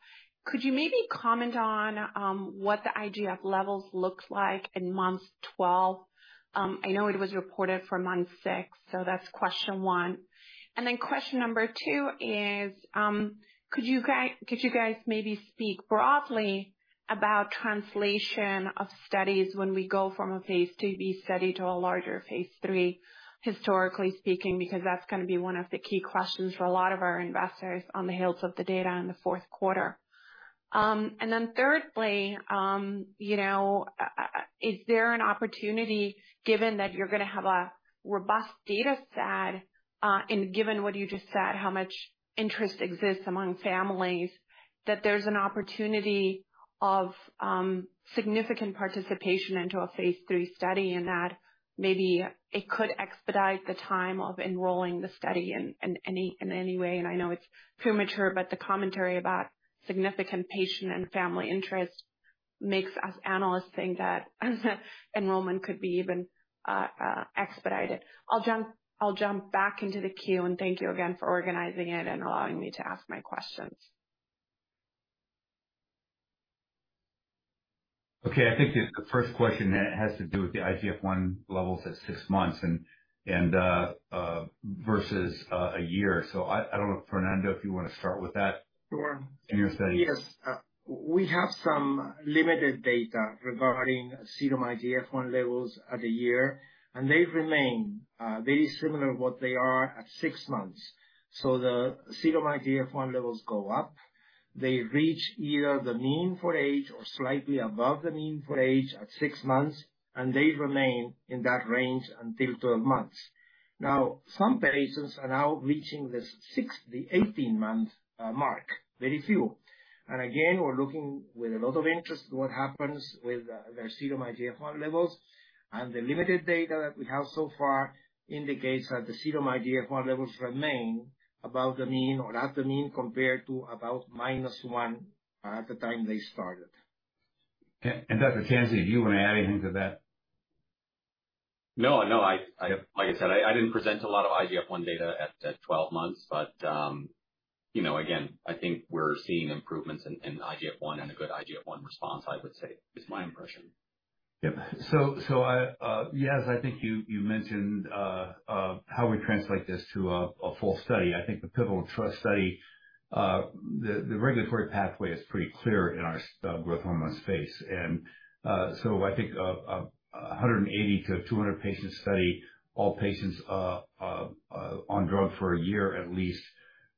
[SPEAKER 7] Could you maybe comment on what the IGF levels looks like in month 12? I know it was reported for month 6. That's question 1. Question number 2 is, could you guys maybe speak broadly about translation of studies when we go from a phase 2B study to a larger phase 3, historically speaking, because that's going to be 1 of the key questions for a lot of our investors on the hills of the data in the fourth quarter. Then thirdly, is there an opportunity, given that you're going to have a robust data set, and given what you just said, how much interest exists among families, that there's an opportunity of significant participation into a phase 3 study, and that maybe it could expedite the time of enrolling the study in any way? I know it's premature, but the commentary about significant patient and family interest makes us analysts think that, enrollment could be even expedited. I'll jump back into the queue, and thank you again for organizing it and allowing me to ask my questions.
[SPEAKER 2] Okay, I think the first question has to do with the IGF-I levels at six months and versus a year. I don't know, Fernando, if you want to start with that?
[SPEAKER 4] Sure.
[SPEAKER 2] Your studies.
[SPEAKER 4] Yes. We have some limited data regarding serum IGF-I levels at 1 year, they remain very similar to what they are at 6 months. The serum IGF-I levels go up. They reach either the mean for age or slightly above the mean for age at 6 months, they remain in that range until 12 months. Some patients are now reaching the 18-month mark, very few. Again, we're looking with a lot of interest in what happens with their serum IGF-I levels. The limited data that we have so far indicates that the serum IGF-I levels remain above the mean or at the mean, compared to about -1 at the time they started.
[SPEAKER 2] Dr. Tansey, do you want to add anything to that?
[SPEAKER 5] No, no, I, like I said, I didn't present a lot of IGF-I data at 12 months, but again, I think we're seeing improvements in IGF-I and a good IGF-I response, I would say, is my impression.
[SPEAKER 2] Yep. I, yes, I think you mentioned how we translate this to a full study. I think the pivotal trust study, the regulatory pathway is pretty clear in our growth hormone space. I think a 180-200 patient study, all patients on drug for a year at least.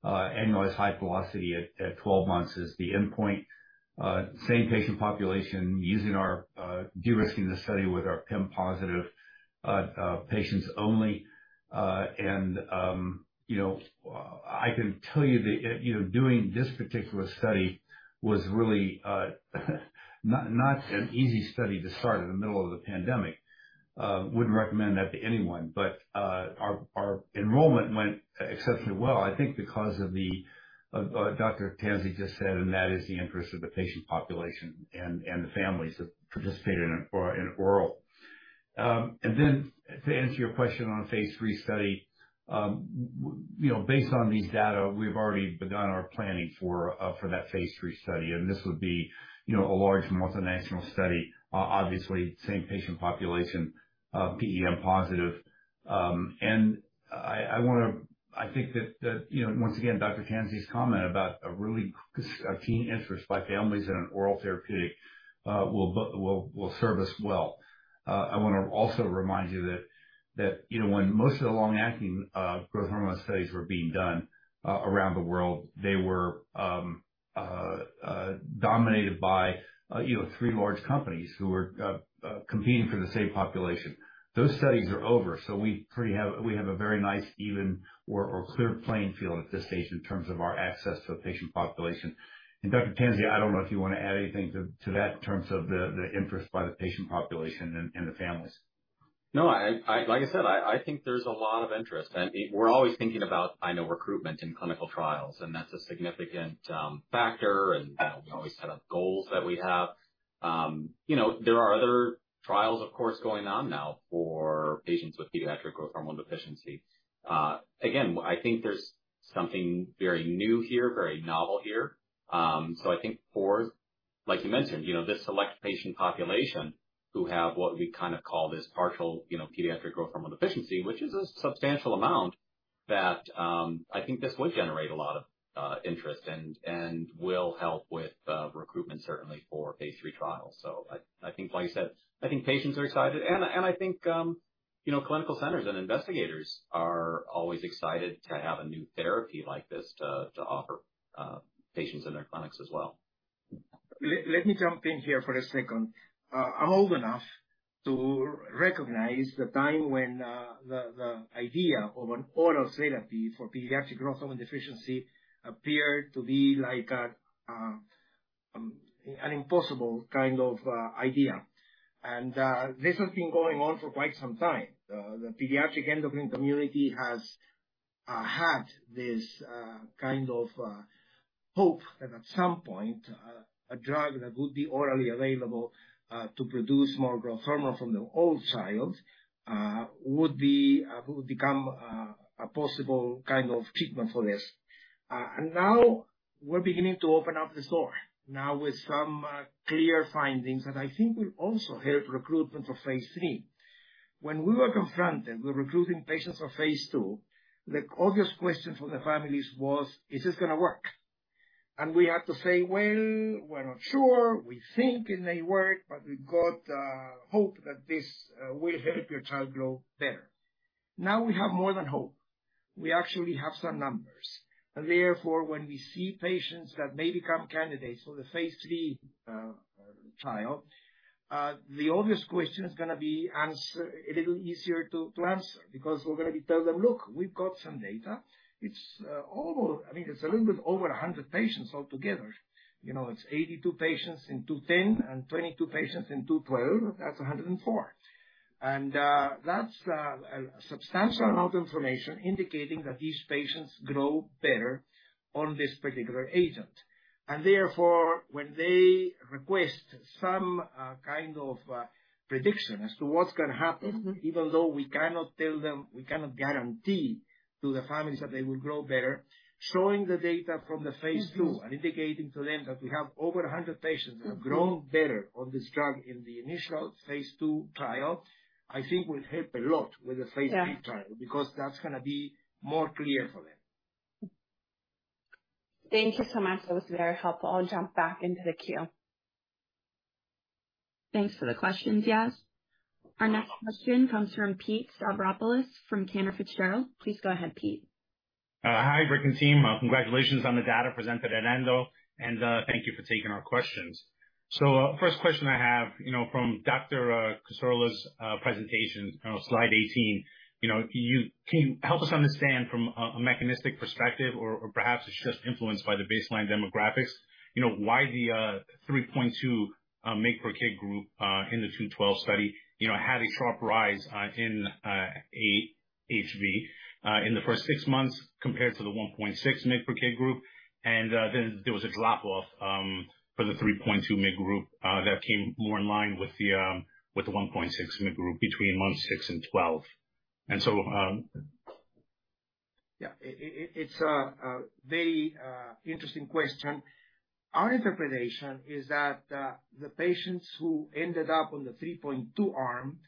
[SPEAKER 2] Annualized high velocity at 12 months is the endpoint. Same patient population using our de-risking the study with our PEM positive patients only. I can tell you that, doing this particular study was really not an easy study to start in the middle of the pandemic. Wouldn't recommend that to anyone, but our enrollment went exceptionally well, I think because of Dr. Tanseyjust said, and that is the interest of the patient population and the families that participated in it for in oral. To answer your question on a phase 3 study, based on these data, we've already begun our planning for that phase 3 study, and this would be a large multinational study. Obviously, same patient population, PEM positive. I think that, once again, Dr. Tansey's comment about a really keen interest by families in an oral therapeutic, will serve us well. I want to also remind you that, when most of the long-acting growth hormone studies were being done around the world, they were dominated by, three large companies who were competing for the same population. Those studies are over, so we have a very nice, even or clear playing field at this stage in terms of our access to the patient population. Dr. Tansey, I don't know if you want to add anything to that in terms of the interest by the patient population and the families?
[SPEAKER 5] No, like I said, I think there's a lot of interest, and we're always thinking about, I know, recruitment in clinical trials, and that's a significant factor. We set up goals that we have. There are other trials, of course, going on now for patients with pediatric growth hormone deficiency. Again, I think there's something very new here, very novel here. I think for, like you mentioned, this select patient population, who have what we kind of call this partial, pediatric growth hormone deficiency, which is a substantial amount, that, I think this would generate a lot of interest and will help with recruitment certainly for phase 3 trials. I think, like you said, I think patients are excited. I think, clinical centers and investigators are always excited to have a new therapy like this to offer patients in their clinics as well.
[SPEAKER 4] Let me jump in here for a second. I'm old enough to recognize the time when the idea of an oral therapy for pediatric growth hormone deficiency appeared to be like an impossible kind of idea. This has been going on for quite some time. The pediatric endocrine community has had this kind of hope that at some point a drug that would be orally available to produce more growth hormone from the old child would become a possible kind of treatment for this. Now we're beginning to open up the door, now with some clear findings that I think will also help recruitment for phase III. When we were confronted with recruiting patients for Phase 2, the obvious question for the families was: Is this going to work? We had to say, "Well, we're not sure. We think it may work, but we've got hope that this will help your child grow better." Now, we have more than hope. We actually have some numbers. Therefore, when we see patients that may become candidates for the Phase 3 trial, the obvious question is going to be a little easier to answer, because we're going to tell them, "Look, we've got some data." It's over, I mean, it's a little bit over 100 patients altogether. It's 82 patients in OraGrowtH210 and 22 patients in OraGrowtH212. That's 104. That's a substantial amount of information indicating that these patients grow better on this particular agent. Therefore, when they request some kind of prediction as to what's gonna happen. Mm-hmm. even though we cannot tell them, we cannot guarantee to the families that they will grow better. Showing the data from the phase 2- Mm-hmm. Indicating to them that we have over 100 patients. Mm-hmm. that have grown better on this drug in the initial phase 2 trial, I think will help a lot with the phase 3 trial. Yeah. That's gonna be more clear for them.
[SPEAKER 1] Thank you so much. That was very helpful. I'll jump back into the queue. Thanks for the questions, Yas. Our next question comes from Pete Stavropoulos from Cantor Fitzgerald. Please go ahead, Pete.
[SPEAKER 8] Hi, Rick and team. Congratulations on the data presented at ENDO, thank you for taking our questions. First question I have, from Dr. Cassorla's presentation on slide 18, can you help us understand from a mechanistic perspective or perhaps it's just influenced by the baseline demographics? Why the 3.2 mg/kg group in the OraGrowtH212 study, had a sharp rise in AHV in the first 6 months compared to the 1.6 mg/kg group, then there was a drop-off for the 3.2 mg group that came more in line with the 1.6 mg group between months 6 and 12.
[SPEAKER 4] Yeah. It's a very interesting question. Our interpretation is that the patients who ended up on the 3.2 arm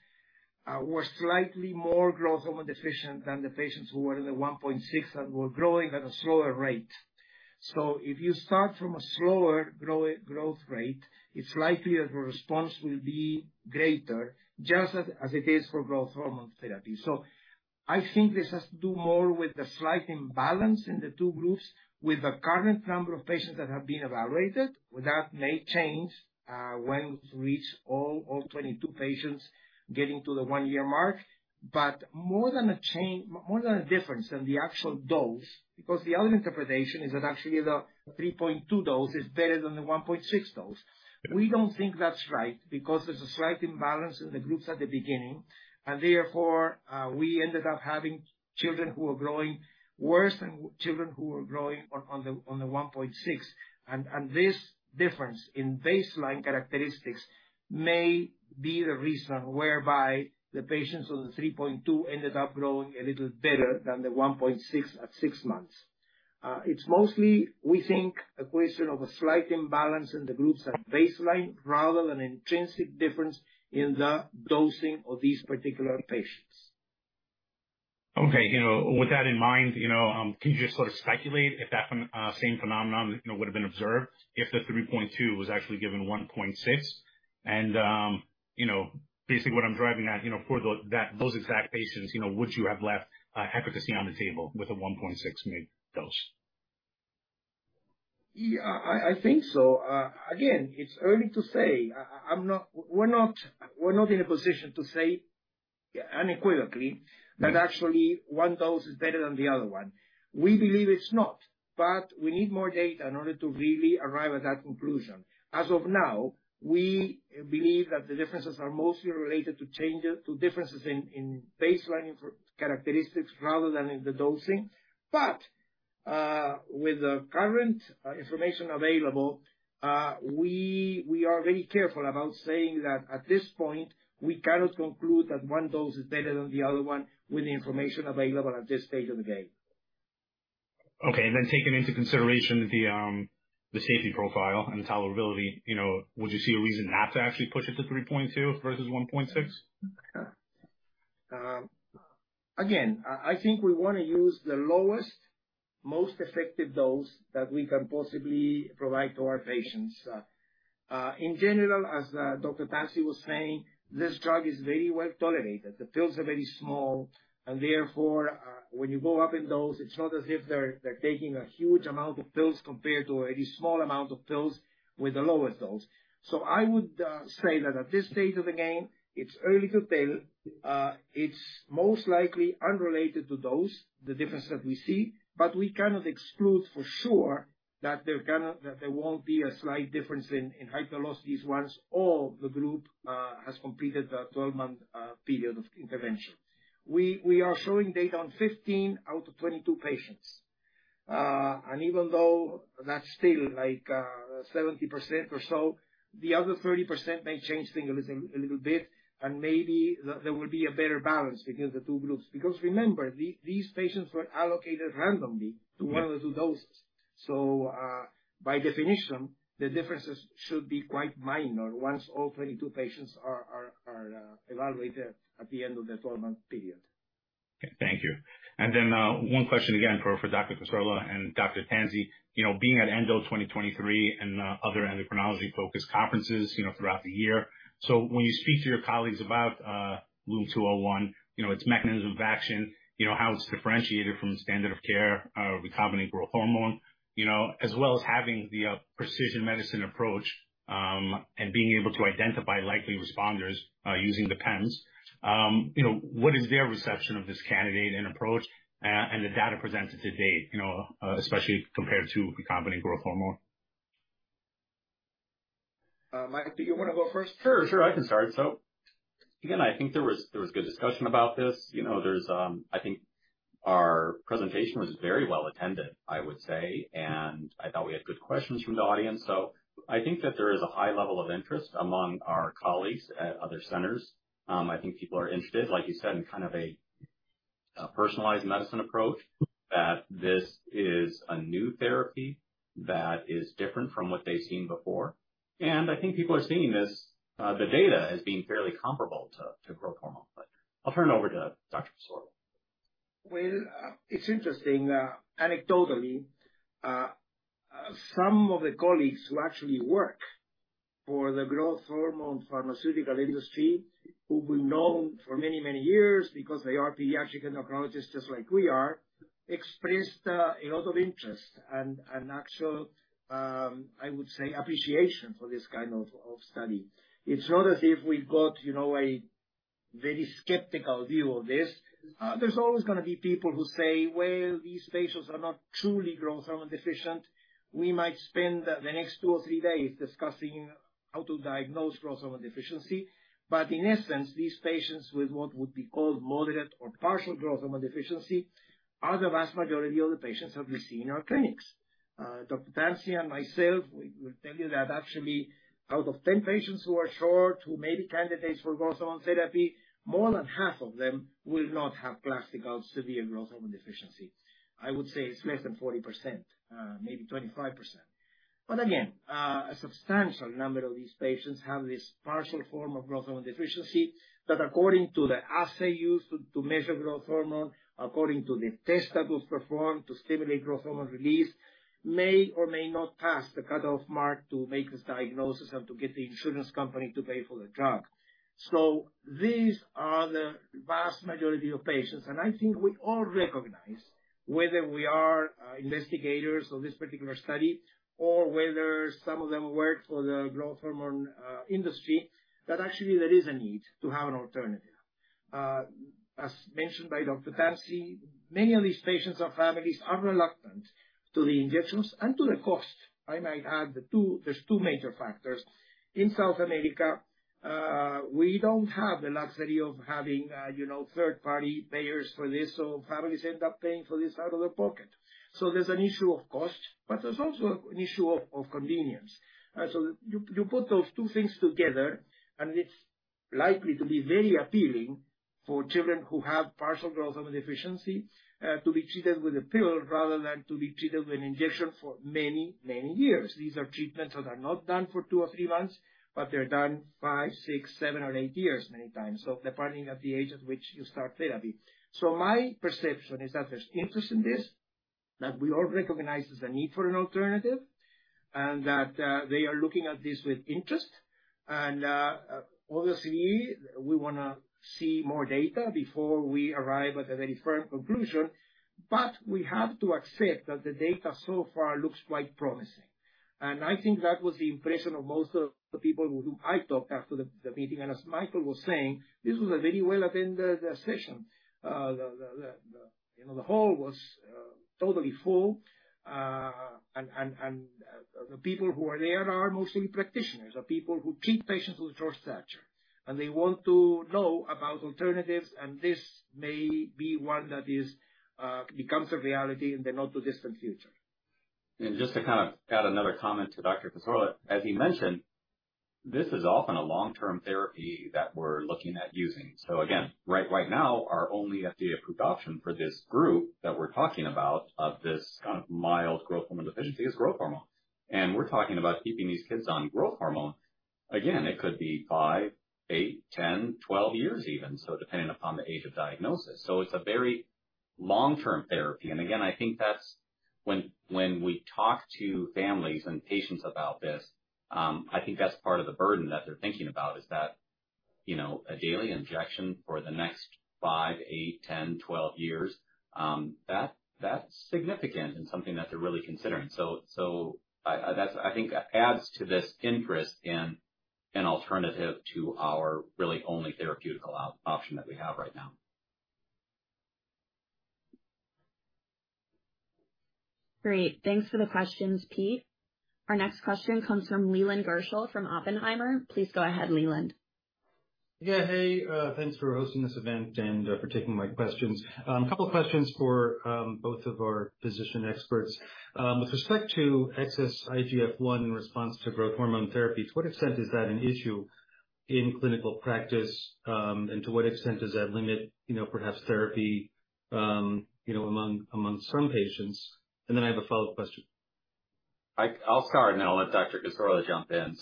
[SPEAKER 4] were slightly more growth hormone deficient than the patients who were in the 1.6 and were growing at a slower rate. If you start from a slower growth rate, it's likely that the response will be greater just as it is for growth hormone therapy. I think this has to do more with the slight imbalance in the two groups with the current number of patients that have been evaluated, that may change once we reach all 22 patients getting to the 1-year mark. More than a change, more than a difference than the actual dose, because the other interpretation is that actually the 3.2 dose is better than the 1.6 dose. We don't think that's right, because there's a slight imbalance in the groups at the beginning, and therefore, we ended up having children who were growing worse than children who were growing on the 1.6. This difference in baseline characteristics may be the reason whereby the patients on the 3.2 ended up growing a little better than the 1.6 at 6 months. It's mostly, we think, a question of a slight imbalance in the groups at baseline, rather than an intrinsic difference in the dosing of these particular patients.
[SPEAKER 8] Okay. You know, with that in mind, you know, can you just sort of speculate if that same phenomenon, you know, would have been observed if the 3.2 was actually given 1.6? Basically what I'm driving at, you know, for those exact patients, you know, would you have left efficacy on the table with a 1.6 mg dose?
[SPEAKER 4] Yeah, I think so. Again, it's early to say. We're not in a position to say unequivocally that actually one dose is better than the other one. We believe it's not, but we need more data in order to really arrive at that conclusion. As of now, we believe that the differences are mostly related to changes, to differences in baselining for characteristics rather than in the dosing. With the current information available, we are very careful about saying that at this point, we cannot conclude that one dose is better than the other one with the information available at this stage of the game.
[SPEAKER 8] Okay. Taking into consideration the safety profile and tolerability, you know, would you see a reason not to actually push it to 3.2 versus 1.6?
[SPEAKER 4] Again, I think we want to use the lowest, most effective dose that we can possibly provide to our patients. In general, as Dr. Tansey was saying, this drug is very well tolerated. The pills are very small, and therefore, when you go up in dose, it's not as if they're taking a huge amount of pills compared to a very small amount of pills with a lower dose. I would say that at this stage of the game, it's early to tell. It's most likely unrelated to dose, the difference that we see, but we cannot exclude for sure that there won't be a slight difference in height velocities once all the group has completed the 12-month period of intervention. We are showing data on 15 out of 22 patients. Even though that's still like, 70% or so, the other 30% may change things a little bit, and maybe there will be a better balance between the two groups. Remember, these patients were allocated randomly to one of the two doses. By definition, the differences should be quite minor once all 22 patients are evaluated at the end of the 12-month period.
[SPEAKER 8] Okay. Thank you. One question again for Dr. Cassorla and Dr. Tansey. You know, being at ENDO 2023 and other endocrinology-focused conferences, you know, throughout the year, so when you speak to your colleagues about LUM-201, you know, its mechanism of action, you know, how it's differentiated from the standard of care, recombinant growth hormone, you know, as well as having the precision medicine approach, and being able to identify likely responders, using the PEM, you know, what is their reception of this candidate and approach, and the data presented to date? You know, especially compared to recombinant growth hormone....
[SPEAKER 4] Michael, do you want to go first?
[SPEAKER 5] Sure, I can start. Again, I think there was good discussion about this. You know, there's, I think our presentation was very well attended, I would say, and I thought we had good questions from the audience. I think that there is a high level of interest among our colleagues at other centers. I think people are interested, like you said, in kind of a personalized medicine approach, that this is a new therapy that is different from what they've seen before. I think people are seeing this, the data as being fairly comparable to growth hormone. I'll turn it over to Dr. Cassorla
[SPEAKER 4] It's interesting, anecdotally, some of the colleagues who actually work for the growth hormone pharmaceutical industry, who we've known for many, many years because they are pediatric endocrinologists, just like we are, expressed a lot of interest and actual, I would say, appreciation for this kind of study. It's not as if we've got, you know, a very skeptical view of this. There's always gonna be people who say, "Well, these patients are not truly growth hormone deficient." We might spend the next 2 or 3 days discussing how to diagnose growth hormone deficiency, but in essence, these patients with what would be called moderate or partial growth hormone deficiency, are the vast majority of the patients that we see in our clinics. Dr. Tansey and myself, we will tell you that actually, out of 10 patients who are short, who may be candidates for growth hormone therapy, more than half of them will not have classical severe growth hormone deficiency. I would say it's less than 40%, maybe 25%. Again, a substantial number of these patients have this partial form of growth hormone deficiency, that according to the assay used to measure growth hormone, according to the test that was performed to stimulate growth hormone release, may or may not pass the cutoff mark to make this diagnosis and to get the insurance company to pay for the drug. These are the vast majority of patients, and I think we all recognize, whether we are investigators of this particular study, or whether some of them work for the growth hormone industry, that actually there is a need to have an alternative. As mentioned by Dr. Tansey, many of these patients and families are reluctant to the injections and to the cost. I might add there's two major factors. In South America, we don't have the luxury of having, you know, third-party payers for this, so families end up paying for this out of their pocket. There's an issue of cost, but there's also an issue of convenience. You put those 2 things together, and it's likely to be very appealing for children who have partial growth hormone deficiency to be treated with a pill rather than to be treated with an injection for many, many years. These are treatments that are not done for 2 or 3 months, but they're done 5, 6, 7 or 8 years, many times. Depending on the age at which you start therapy. My perception is that there's interest in this, that we all recognize there's a need for an alternative, and that they are looking at this with interest. Obviously, we wanna see more data before we arrive at a very firm conclusion, but we have to accept that the data so far looks quite promising. I think that was the impression of most of the people who I talked to after the meeting. As Michael was saying, this was a very well-attended session. The, you know, the hall was totally full, and the people who are there are mostly practitioners, are people who treat patients with short stature, and they want to know about alternatives, and this may be one that is becomes a reality in the not-too-distant future.
[SPEAKER 5] Just to kind of add another comment to Dr. Cassorla. As he mentioned, this is often a long-term therapy that we're looking at using. Again, right now, our only FDA-approved option for this group that we're talking about, of this kind of mild growth hormone deficiency, is growth hormone. We're talking about keeping these kids on growth hormone, again, it could be 5, 8, 10, 12 years even, so depending upon the age of diagnosis. It's a very long-term therapy. Again, I think that's when we talk to families and patients about this, I think that's part of the burden that they're thinking about, is that, you know, a daily injection for the next 5, 8, 10, 12 years, that's significant and something that they're really considering. I, that's I think adds to this interest in an alternative to our really only therapeutical option that we have right now. Great. Thanks for the questions, Pete. Our next question comes from Leland Gershell from Oppenheimer. Please go ahead, Leland.
[SPEAKER 9] Yeah, hey, thanks for hosting this event and for taking my questions. A couple of questions for both of our physician experts. With respect to excess IGF-I in response to growth hormone therapies, to what extent is that an issue in clinical practice? To what extent does that limit, you know, perhaps therapy, you know, among some patients? I have a follow-up question.
[SPEAKER 5] I'll start, then I'll let Dr. Cassorla jump in.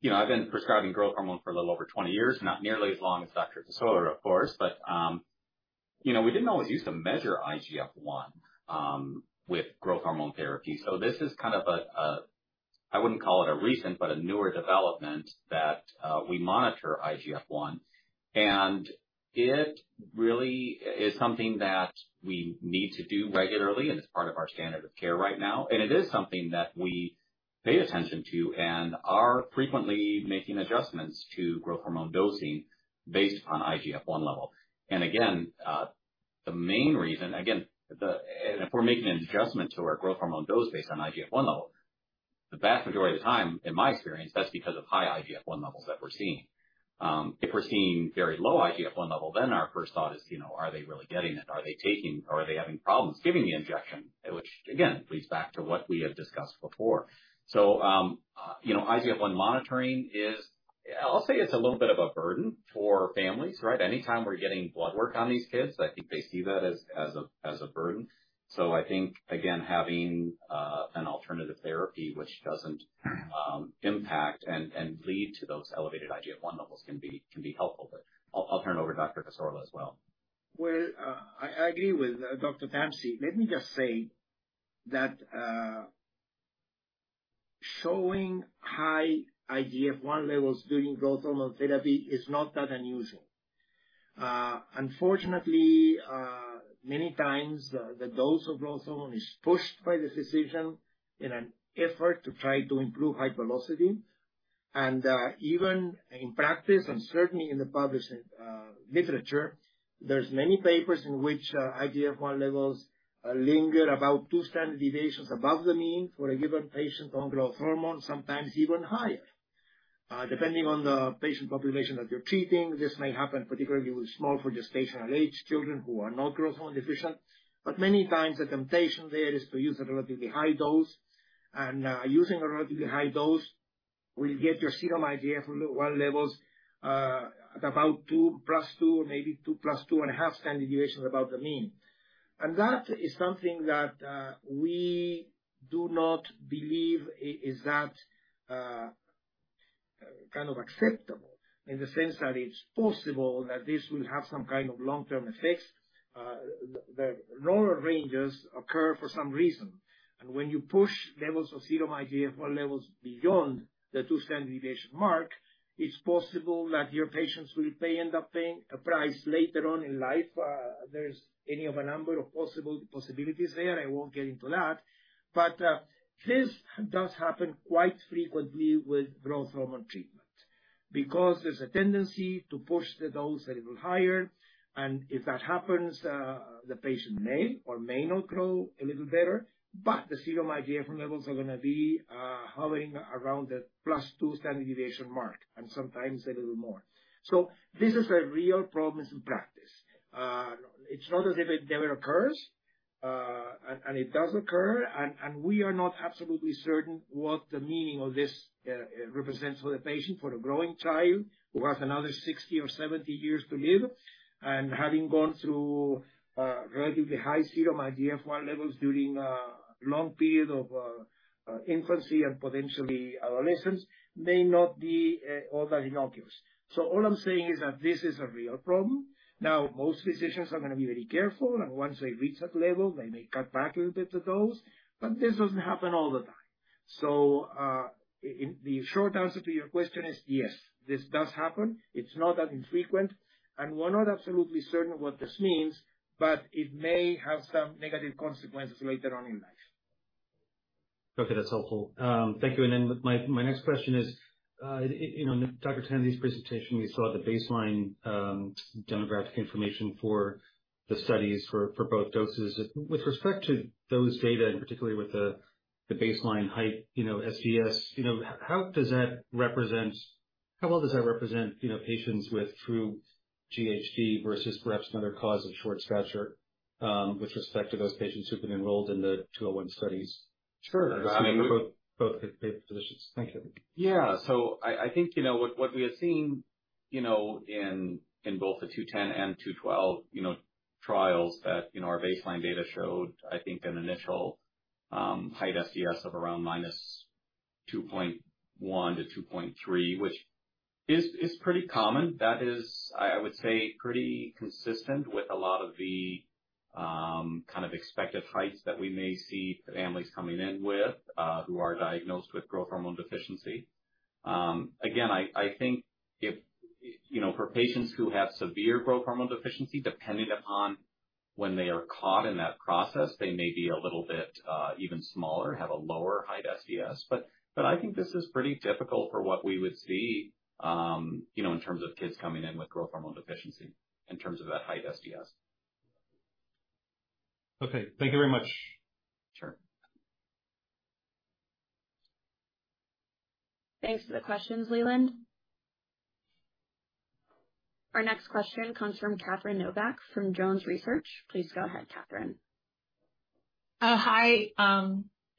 [SPEAKER 5] You know, I've been prescribing growth hormone for a little over 20 years, not nearly as long as Dr. Cassorla of course, but, you know, we didn't always use to measure IGF-1 with growth hormone therapy. This is kind of a, I wouldn't call it a recent, but a newer development that we monitor IGF-1, and it really is something that we need to do regularly, and it's part of our standard of care right now, and it is something that we pay attention to and are frequently making adjustments to growth hormone dosing based on IGF-1 level. Again. The main reason, again, if we're making an adjustment to our growth hormone dose based on IGF-I level, the vast majority of the time, in my experience, that's because of high IGF-I levels that we're seeing. If we're seeing very low IGF-I level, our first thought is, you know, are they really getting it? Are they taking, or are they having problems giving the injection? Which again, leads back to what we have discussed before. You know, IGF-I monitoring is I'll say it's a little bit of a burden for families, right? Anytime we're getting blood work on these kids, I think they see that as a burden. I think, again, having an alternative therapy which doesn't impact and lead to those elevated IGF-I levels can be helpful. I'll turn it over to Dr. Cassorla as well.
[SPEAKER 4] Well, I agree with Dr. Tansey. Let me just say that showing high IGF-I levels during growth hormone therapy is not that unusual. Unfortunately, many times the dose of growth hormone is pushed by the physician in an effort to try to improve height velocity. Even in practice, and certainly in the published literature, there's many papers in which IGF-I levels linger about 2 standard deviations above the mean for a given patient on growth hormone, sometimes even higher. Depending on the patient population that you're treating, this may happen particularly with small for gestational age children who are not growth hormone deficient. Many times the temptation there is to use a relatively high dose, and using a relatively high dose will get your serum IGF-I levels at about 2 plus 2, maybe 2 plus 2 and a half standard deviations above the mean. That is something that we do not believe is that kind of acceptable in the sense that it's possible that this will have some kind of long-term effects. The normal ranges occur for some reason, and when you push levels of serum IGF-I levels beyond the 2 standard deviation mark, it's possible that your patients will pay, end up paying a price later on in life. There's any of a number of possible possibilities there. I won't get into that. This does happen quite frequently with growth hormone treatment because there's a tendency to push the dose a little higher, and if that happens, the patient may or may not grow a little better, but the serum IGF-I levels are gonna be hovering around the plus two standard deviation mark, and sometimes a little more. This is a real problem in practice. It's not as if it never occurs. And it does occur, and we are not absolutely certain what the meaning of this represents for the patient, for a growing child who has another 60 or 70 years to live, and having gone through relatively high serum IGF-I levels during a long period of infancy and potentially adolescence may not be all that innocuous. All I'm saying is that this is a real problem. Most physicians are gonna be very careful, and once they reach that level, they may cut back a little bit the dose, but this doesn't happen all the time. The short answer to your question is yes, this does happen. It's not that infrequent, and we're not absolutely certain what this means, but it may have some negative consequences later on in life.
[SPEAKER 9] Okay, that's helpful. thank you. My, my next question is, you know, in Dr. Tansey's presentation, we saw the baseline, demographic information for the studies for both doses. With respect to those data, and particularly with the baseline height, you know, SDS, you know, how well does that represent, you know, patients with true GHD versus perhaps another cause of short stature, with respect to those patients who've been enrolled in the 201 studies?
[SPEAKER 5] Sure.
[SPEAKER 9] Both physicians. Thank you.
[SPEAKER 5] I think, you know, what we have seen, you know, in both the 210 and 212, you know, trials that, you know, our baseline data showed, I think, an initial height SDS of around -2.1 to -2.3, which is pretty common. That is, I would say, pretty consistent with a lot of the kind of expected heights that we may see families coming in with who are diagnosed with growth hormone deficiency. Again, I think if, you know, for patients who have severe growth hormone deficiency, depending upon when they are caught in that process, they may be a little bit even smaller, have a lower height SDS. I think this is pretty typical for what we would see, you know, in terms of kids coming in with growth hormone deficiency, in terms of that height SDS.
[SPEAKER 9] Okay. Thank you very much.
[SPEAKER 5] Sure. Thanks for the questions, Leland. Our next question comes from Catherine Novak, from Jones Trading Institutional Services. Please go ahead, Catherine.
[SPEAKER 10] Hi.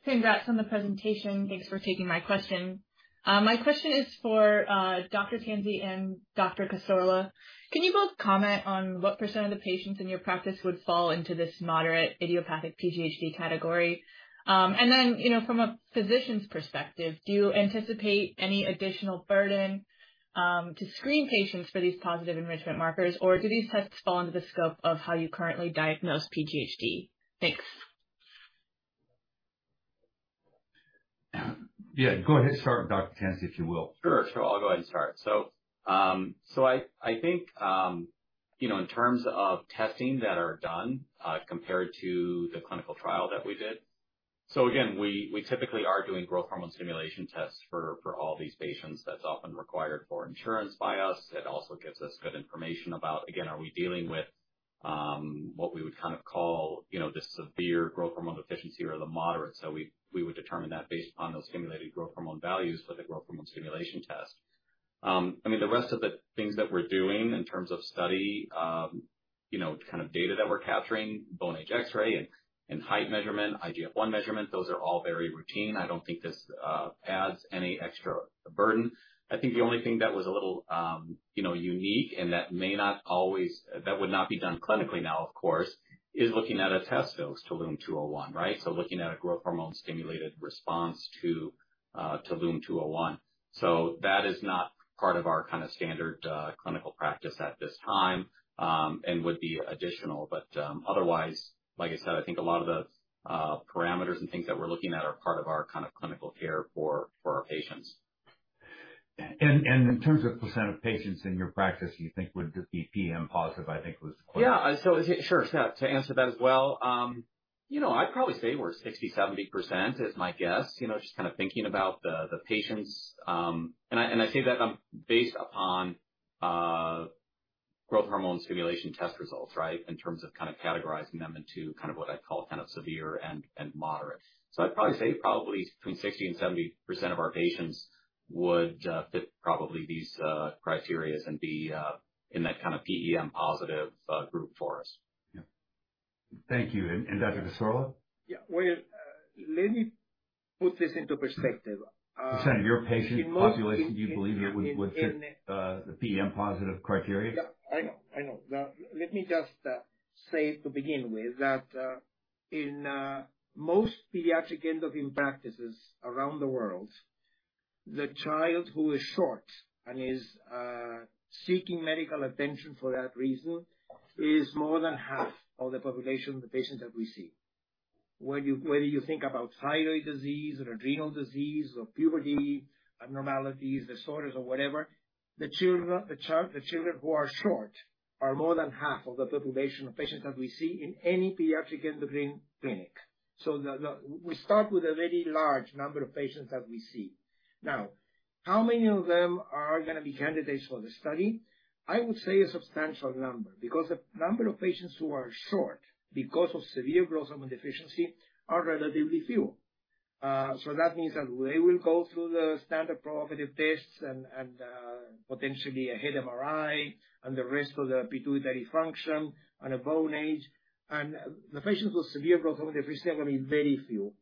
[SPEAKER 10] Congrats on the presentation. Thanks for taking my question. My question is for Dr. Tansey and Dr. Cassorla. Can you both comment on what % of the patients in your practice would fall into this moderate idiopathic PGHD category? You know, from a physician's perspective, do you anticipate any additional burden to screen patients for these positive enrichment markers? Or do these tests fall under the scope of how you currently diagnose PGHD? Thanks.
[SPEAKER 2] Yeah, go ahead and start with Dr. Tansey, if you will.
[SPEAKER 5] Sure. Sure, I'll go ahead and start. I think, you know, in terms of testing that are done compared to the clinical trial that we did. Again, we typically are doing growth hormone stimulation tests for all these patients. That's often required for insurance by us. It also gives us good information about, again, are we dealing with what we would kind of call, you know, the severe growth hormone deficiency or the moderate? We would determine that based upon those stimulated growth hormone values for the growth hormone stimulation test. I mean, the rest of the things that we're doing in terms of study, you know, kind of data that we're capturing, bone age X-ray and height measurement, IGF-I measurement, those are all very routine. I don't think this adds any extra burden. I think the only thing that was a little, you know, unique and that would not be done clinically now, of course, is looking at a test dose to LUM-201, right? Looking at a growth hormone-stimulated response to LUM-201. That is not part of our kind of standard clinical practice at this time, and would be additional. Otherwise, like I said, I think a lot of the parameters and things that we're looking at are part of our kind of clinical care for our patients.
[SPEAKER 2] In terms of % of patients in your practice, you think would be PEM positive, I think was the question.
[SPEAKER 5] Yeah. Sure, to answer that as well, you know, I'd probably say we're 60%-70% is my guess. You know, just kind of thinking about the patients, and I, and I say that, based upon, growth hormone stimulation test results, right? In terms of kind of categorizing them into kind of what I'd call kind of severe and moderate. I'd probably say probably between 60% and 70% of our patients would fit probably these criteria and be in that kind of PEM positive group for us.
[SPEAKER 2] Yeah. Thank you. Dr. Cassorla?
[SPEAKER 4] Yeah, well, let me put this into perspective.
[SPEAKER 2] % of your patient population, do you believe it would fit, the PEM positive criteria?
[SPEAKER 4] Yeah, I know. I know. Let me just say to begin with, that in most pediatric endocrine practices around the world, the child who is short and is seeking medical attention for that reason, is more than half of the population of the patients that we see. Whether you, whether you think about thyroid disease or adrenal disease or puberty abnormalities, disorders or whatever, the children who are short are more than half of the population of patients that we see in any pediatric endocrine clinic. We start with a very large number of patients that we see. How many of them are gonna be candidates for the study? I would say a substantial number, because the number of patients who are short because of severe growth hormone deficiency are relatively few. That means that they will go through the standard provocative tests and, potentially a head MRI and the rest of the pituitary function and a bone age. The patients with severe growth hormone deficiency are going to be very few.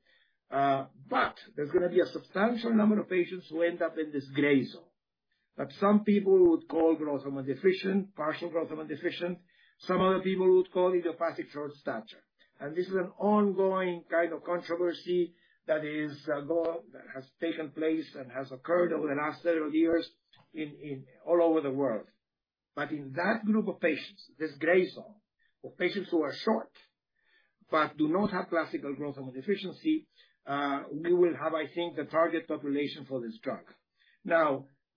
[SPEAKER 4] There's gonna be a substantial number of patients who end up in this gray zone, that some people would call growth hormone deficient, partial growth hormone deficient, some other people would call idiopathic short stature. This is an ongoing kind of controversy that has taken place and has occurred over the last several years in all over the world. In that group of patients, this gray zone, of patients who are short but do not have classical growth hormone deficiency, we will have, I think, the target population for this drug.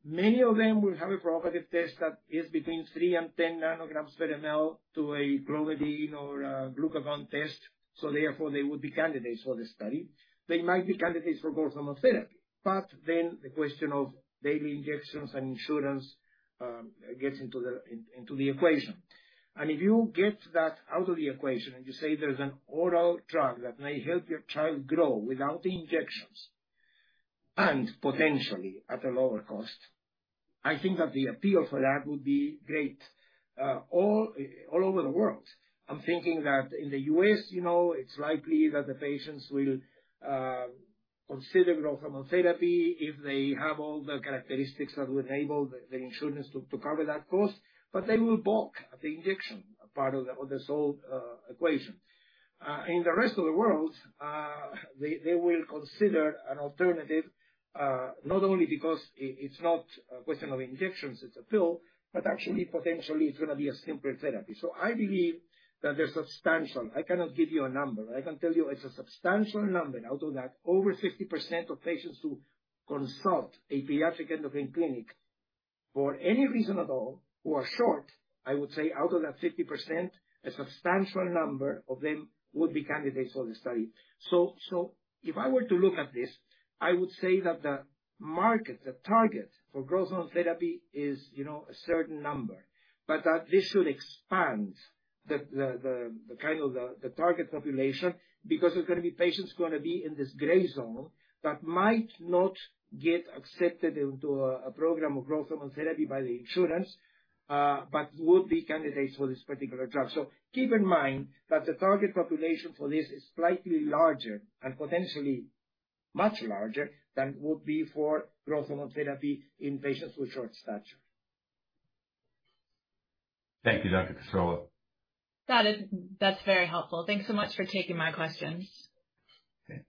[SPEAKER 4] Many of them will have a provocative test that is between 3 and 10 nanograms per ml to a clonidine or a glucagon test, so therefore they would be candidates for the study. They might be candidates for growth hormone therapy, but then the question of daily injections and insurance gets into the equation. If you get that out of the equation, and you say there's an oral drug that may help your child grow without the injections, and potentially at a lower cost, I think that the appeal for that would be great all over the world. I'm thinking that in the U.S., you know, it's likely that the patients will consider growth hormone therapy if they have all the characteristics that will enable the insurance to cover that cost. They will balk at the injection part of the whole equation. In the rest of the world, they will consider an alternative, not only because it's not a question of injections, it's a pill, but actually, potentially, it's gonna be a simpler therapy. I believe that there's substantial... I cannot give you a number. I can tell you it's a substantial number. Out of that, over 50% of patients who consult a pediatric endocrine clinic, for any reason at all, who are short, I would say out of that 50%, a substantial number of them would be candidates for the study. If I were to look at this, I would say that the market, the target for growth hormone therapy is, you know, a certain number, but that this should expand the kind of the target population, because there's gonna be patients who are gonna be in this gray zone, that might not get accepted into a program of growth hormone therapy by the insurance, but would be candidates for this particular drug. Keep in mind that the target population for this is slightly larger, and potentially much larger, than would be for growth hormone therapy in patients with short stature.
[SPEAKER 5] Thank you, Dr. Cassorla.
[SPEAKER 10] That's very helpful. Thanks so much for taking my questions.
[SPEAKER 5] Okay.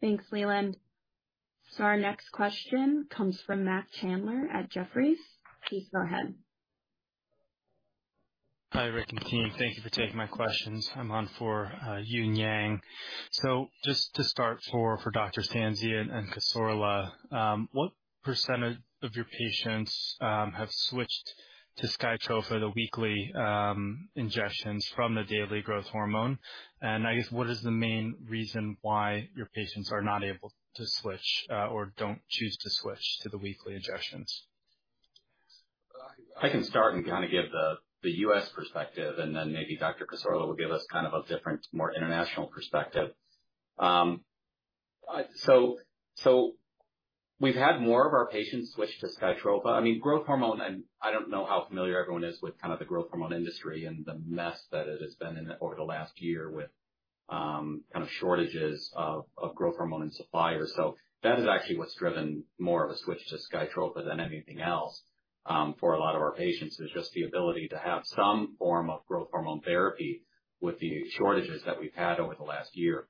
[SPEAKER 5] Thanks, Leland. Our next question comes from Matt Schanzler at Jefferies. Please go ahead.
[SPEAKER 11] Hi, Rick and team. Thank you for taking my questions. I'm on for Yuen-Uen Yang. Just to start for Dr. Tansey and Dr. Fernando Cassorla, what percentage of your patients have switched to SKYTROFA, the weekly injections from the daily growth hormone. I guess, what is the main reason why your patients are not able to switch or don't choose to switch to the weekly injections?
[SPEAKER 5] I can start and kind of give the U.S. perspective, and then maybe Dr. Cassorla will give us kind of a different, more international perspective. We've had more of our patients switch to SKYTROFA. I mean, growth hormone, and I don't know how familiar everyone is with kind of the growth hormone industry and the mess that it has been in over the last year with kind of shortages of growth hormone and suppliers. That is actually what's driven more of a switch to SKYTROFA than anything else for a lot of our patients, is just the ability to have some form of growth hormone therapy with the shortages that we've had over the last year.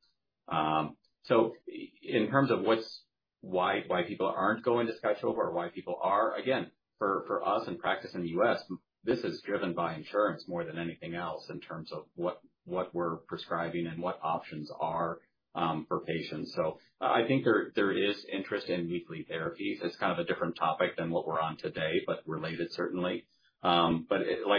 [SPEAKER 5] In terms of what's why people aren't going to SKYTROFA or why people are, again, for us in practice in the U.S., this is driven by insurance more than anything else in terms of what we're prescribing and what options are for patients. I think there is interest in weekly therapies. It's kind of a different topic than what we're on today, but related certainly. Like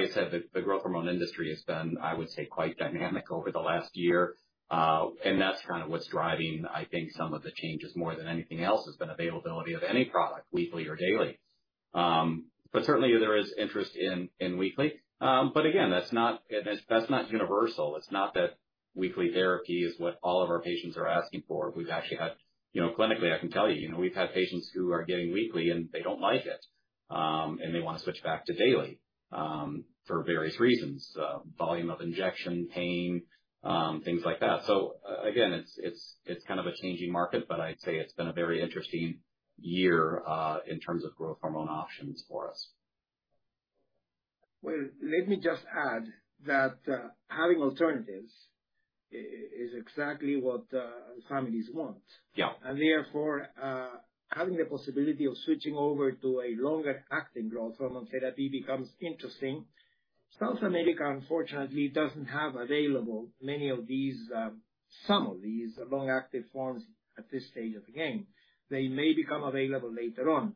[SPEAKER 5] I said, the growth hormone industry has been, I would say, quite dynamic over the last year. That's kind of what's driving, I think, some of the changes more than anything else, has been availability of any product, weekly or daily. Certainly there is interest in weekly. Again, that's not universal. It's not that weekly therapy is what all of our patients are asking for. We've actually had. You know, clinically, I can tell you know, we've had patients who are getting weekly. They don't like it. They want to switch back to daily for various reasons, volume of injection, pain, things like that. Again, it's kind of a changing market. I'd say it's been a very interesting year in terms of growth hormone options for us.
[SPEAKER 4] Well, let me just add that, having alternatives is exactly what families want.
[SPEAKER 5] Yeah.
[SPEAKER 4] Therefore, having the possibility of switching over to a longer-acting growth hormone therapy becomes interesting. South America, unfortunately, doesn't have available many of these, some of these long-acting forms at this stage of the game. They may become available later on.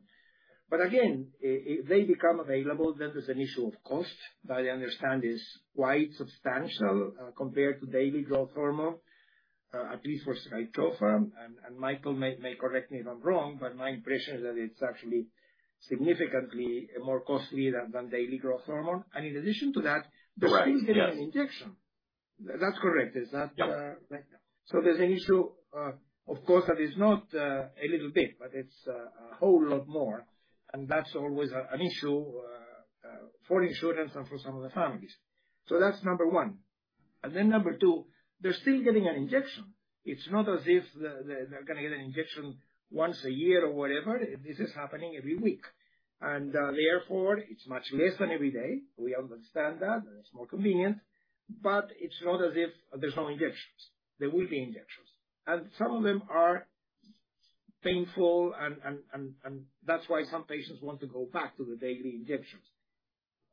[SPEAKER 4] Again, if they become available, then there's an issue of cost, that I understand is quite substantial, compared to daily growth hormone, at least for SKYTROFA. Michael may correct me if I'm wrong, but my impression is that it's actually significantly more costly than daily growth hormone. In addition to that-
[SPEAKER 5] Right. Yes.
[SPEAKER 4] There's still going to be an injection. That's correct. Is that...
[SPEAKER 5] Yeah.
[SPEAKER 4] There's an issue, of course, that is not a little bit, but it's a whole lot more, and that's always an issue for insurance and for some of the families. That's number 1. Then number 2, they're still getting an injection. It's not as if they're going to get an injection once a year or whatever. This is happening every week, and therefore, it's much less than every day. We understand that, and it's more convenient, but it's not as if there's no injections. There will be injections, and some of them are painful and that's why some patients want to go back to the daily injections.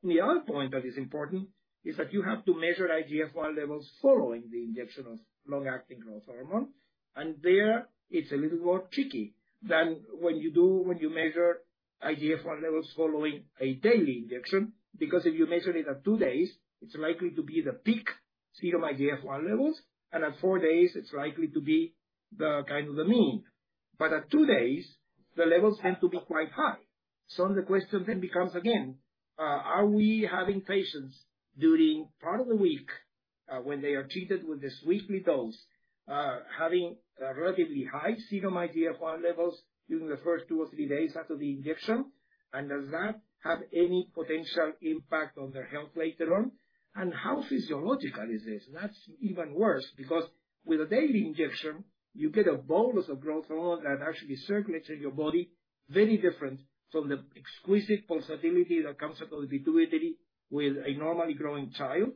[SPEAKER 4] The other point that is important is that you have to measure IGF-I levels following the injection of long-acting growth hormone, and there it's a little more tricky than when you measure IGF-I levels following a daily injection, because if you measure it at 2 days, it's likely to be the peak serum IGF-I levels, and at 4 days, it's likely to be the kind of the mean. At 2 days, the levels tend to be quite high. The question then becomes, again, are we having patients during part of the week, when they are treated with this weekly dose, having a relatively high serum IGF-I levels during the first 2 or 3 days after the injection? Does that have any potential impact on their health later on? How physiological is this? That's even worse because with a daily injection, you get a bolus of growth hormone that actually circulates in your body, very different from the exquisite pulsatility that comes up with the pituitary with a normally growing child.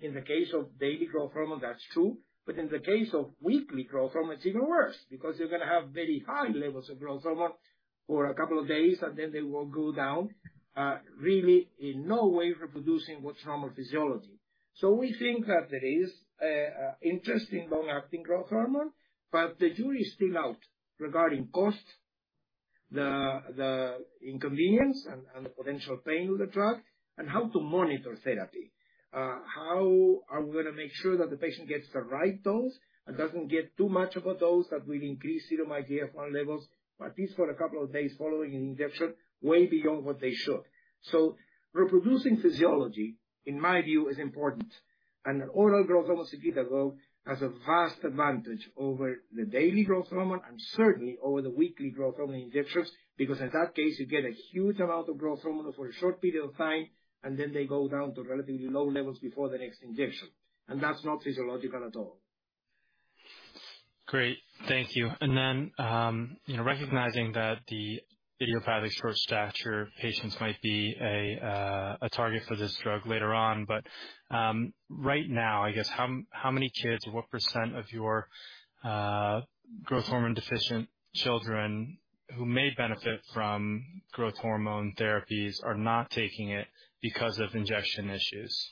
[SPEAKER 4] In the case of daily growth hormone, that's true. In the case of weekly growth hormone, it's even worse because you're going to have very high levels of growth hormone for a couple of days, and then they will go down, really in no way reproducing what's normal physiology. We think that there is interest in long-acting growth hormone, but the jury is still out regarding cost, the inconvenience and the potential pain with the drug and how to monitor therapy. How are we going to make sure that the patient gets the right dose and doesn't get too much of a dose that will increase serum IGF-I levels, at least for a couple of days following an injection, way beyond what they should? Reproducing physiology, in my view, is important, and an oral growth hormone, ibutamoren, has a vast advantage over the daily growth hormone and certainly over the weekly growth hormone injections, because in that case, you get a huge amount of growth hormone for a short period of time, and then they go down to relatively low levels before the next injection. That's not physiological at all.
[SPEAKER 11] Great. Thank you. You know, recognizing that the idiopathic short stature patients might be a target for this drug later on, but right now, I guess, how many KIGS or what % of your growth hormone deficient children who may benefit from growth hormone therapies are not taking it because of injection issues?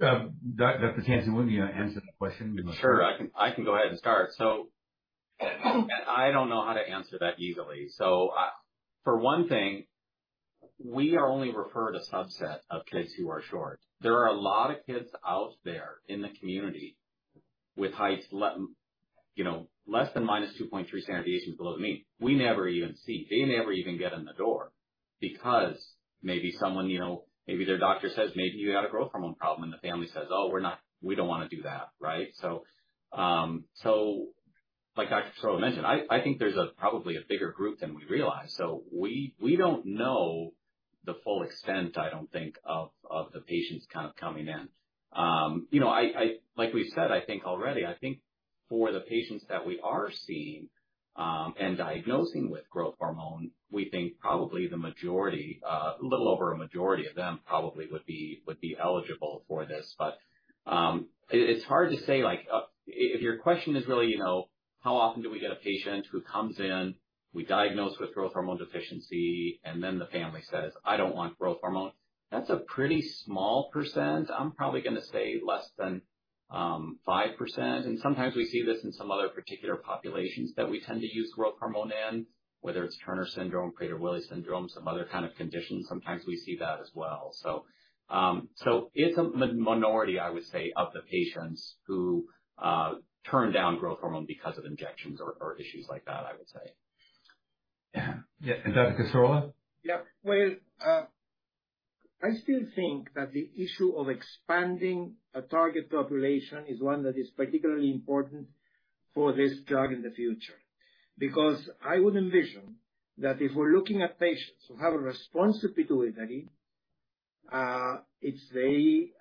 [SPEAKER 2] Dr. Tansey, would you answer the question?
[SPEAKER 5] Sure, I can go ahead and start. I don't know how to answer that easily. For one thing, we are only referred a subset of KIGS who are short. There are a lot of KIGS out there in the community with heights, you know, less than minus 2.3 standard deviations below the mean. They never even get in the door, because maybe someone, you know, maybe their doctor says, "Maybe you got a growth hormone problem." The family says, "Oh, we don't want to do that." Right? Like Dr. Cassorla mentioned, I think there's a probably a bigger group than we realize, we don't know the full extent, I don't think, of the patients kind of coming in. You know, I like we've said, I think already, I think for the patients that we are seeing and diagnosing with growth hormone, we think probably the majority, a little over a majority of them probably would be eligible for this. It's hard to say like if your question is really, you know, how often do we get a patient who comes in, we diagnose with growth hormone deficiency, and then the family says, "I don't want growth hormone." That's a pretty small percent. I'm probably gonna say less than 5%, and sometimes we see this in some other particular populations that we tend to use growth hormone in, whether it's Turner syndrome, Prader-Willi syndrome, some other kind of conditions, sometimes we see that as well. It's a minority, I would say, of the patients who turn down growth hormone because of injections or issues like that, I would say.
[SPEAKER 2] Yeah. Dr. Cassorla?
[SPEAKER 4] Well, I still think that the issue of expanding a target population is one that is particularly important for this drug in the future. I would envision that if we're looking at patients who have a responsive pituitary, it's very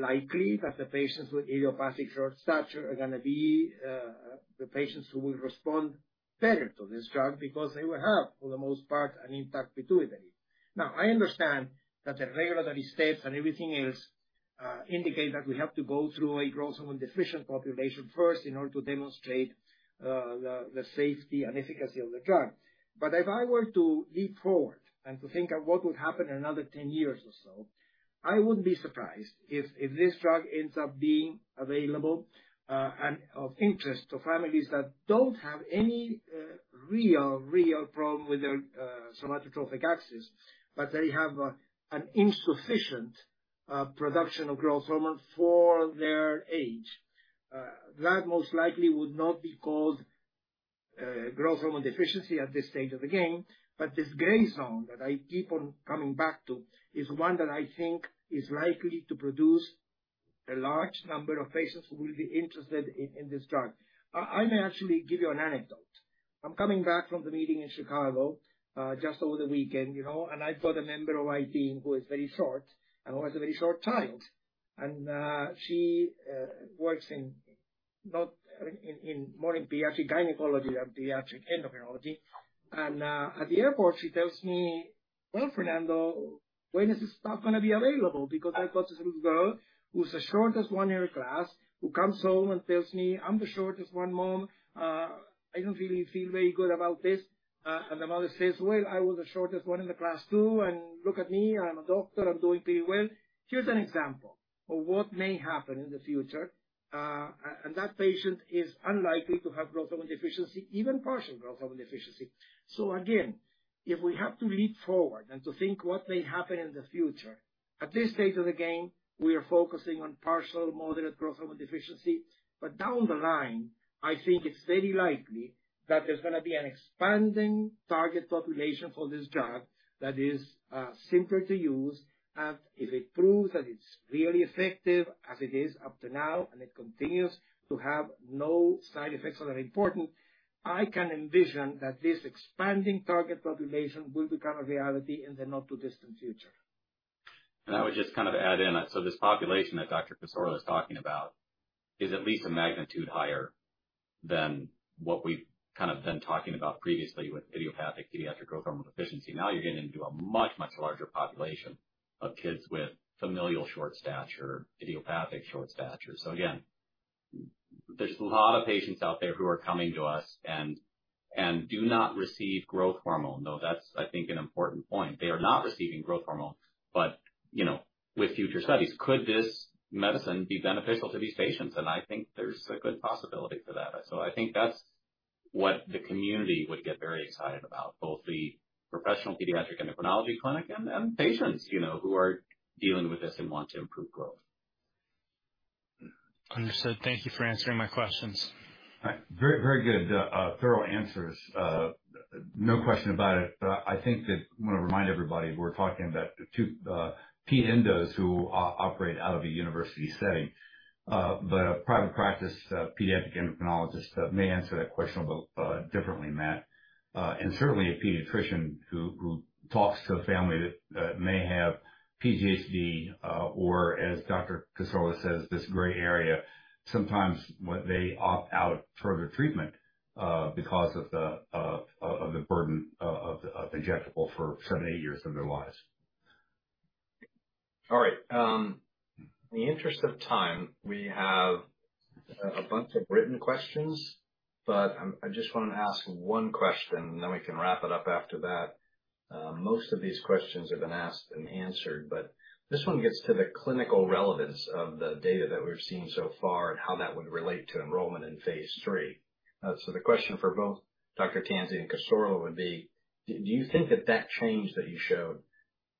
[SPEAKER 4] likely that the patients with idiopathic short stature are gonna be the patients who will respond better to this drug because they will have, for the most part, an intact pituitary. I understand that the regulatory steps and everything else indicate that we have to go through a growth hormone deficient population first in order to demonstrate the safety and efficacy of the drug. If I were to leap forward and to think of what would happen in another 10 years or so, I wouldn't be surprised if this drug ends up being available and of interest to families that don't have any real problem with their somatotropic axis, but they have an insufficient production of growth hormone for their age. That most likely would not be called growth hormone deficiency at this stage of the game. This gray zone that I keep on coming back to is one that I think is likely to produce a large number of patients who will be interested in this drug. I may actually give you an anecdote. I'm coming back from the meeting in Chicago just over the weekend, you know, and I've got a member of my team who is very short and who has a very short child. She works in more in pediatric gynecology than pediatric endocrinology. At the airport, she tells me, "Well, Fernando, when is this stuff gonna be available? Because I've got this little girl who's the shortest one in her class, who comes home and tells me, 'I'm the shortest one, Mom. I don't really feel very good about this.' " The mother says, "Well, I was the shortest one in the class, too. Look at me, I'm a doctor. I'm doing pretty well." Here's an example of what may happen in the future, and that patient is unlikely to have growth hormone deficiency, even partial growth hormone deficiency. Again, if we have to leap forward and to think what may happen in the future, at this stage of the game, we are focusing on partial, moderate growth hormone deficiency. Down the line, I think it's very likely that there's gonna be an expanding target population for this drug that is simpler to use. If it proves that it's really effective, as it is up to now, and it continues to have no side effects that are important, I can envision that this expanding target population will become a reality in the not-too-distant future.
[SPEAKER 5] I would just kind of add in, this population that Dr. Cassorla is talking about is at least a magnitude higher than what we've kind of been talking about previously with idiopathic pediatric growth hormone deficiency. Now you're getting into a much larger population of kids with familial short stature, idiopathic short stature. Again, there's a lot of patients out there who are coming to us and do not receive growth hormone, though that's, I think, an important point. They are not receiving growth hormone, but, you know, with future studies, could this medicine be beneficial to these patients? I think there's a good possibility for that. I think that's what the community would get very excited about, both the professional pediatric endocrinology clinic and patients, you know, who are dealing with this and want to improve growth.
[SPEAKER 11] Understood. Thank you for answering my questions.
[SPEAKER 2] All right. Very, very good, thorough answers, no question about it. I think that I'm gonna remind everybody, we're talking about two ped endos who operate out of a university setting. A private practice pediatric endocrinologist may answer that question a little differently, Matt. Certainly a pediatrician who talks to a family that may have PGHD, or as Dr. Cassorla says, this gray area, sometimes when they opt out of further treatment, because of the burden of injectable for seven, eight years of their lives. All right. In the interest of time.... A bunch of written questions, but I just want to ask one question, and then we can wrap it up after that. Most of these questions have been asked and answered, but this one gets to the clinical relevance of the data that we've seen so far and how that would relate to enrollment in Phase 3. The question for both Dr. Tansey and Cassorla would be: Do you think that that change that you showed,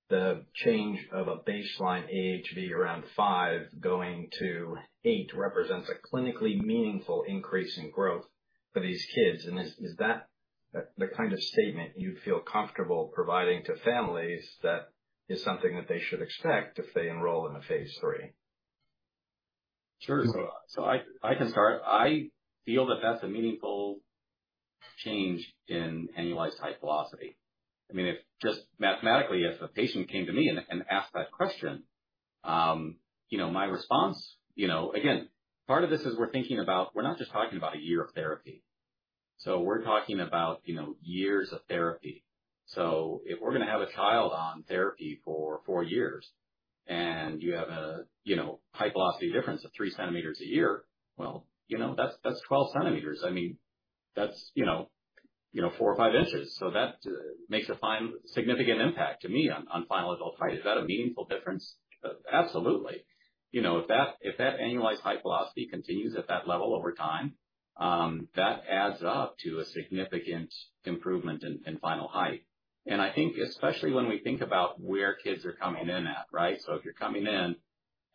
[SPEAKER 2] the change of a baseline age to be around 5 going to 8, represents a clinically meaningful increase in growth for these kids? Is that the kind of statement you feel comfortable providing to families that is something that they should expect if they enroll in the Phase 3?
[SPEAKER 5] Sure. I can start. I feel that that's a meaningful change in annualized height velocity. I mean, if just mathematically, if a patient came to me and asked that question, you know, we're not just talking about a year of therapy. We're talking about, you know, years of therapy. If we're going to have a child on therapy for 4 years, and you have a, you know, height velocity difference of 3 centimeters a year, well, you know, that's 12 centimeters. I mean, that's, you know, 4 or 5 inches. That makes a significant impact to me on final adult height. Is that a meaningful difference? Absolutely. You know, if that annualized height velocity continues at that level over time, that adds up to a significant improvement in final height. I think especially when we think about where kids are coming in at, right? If you're coming in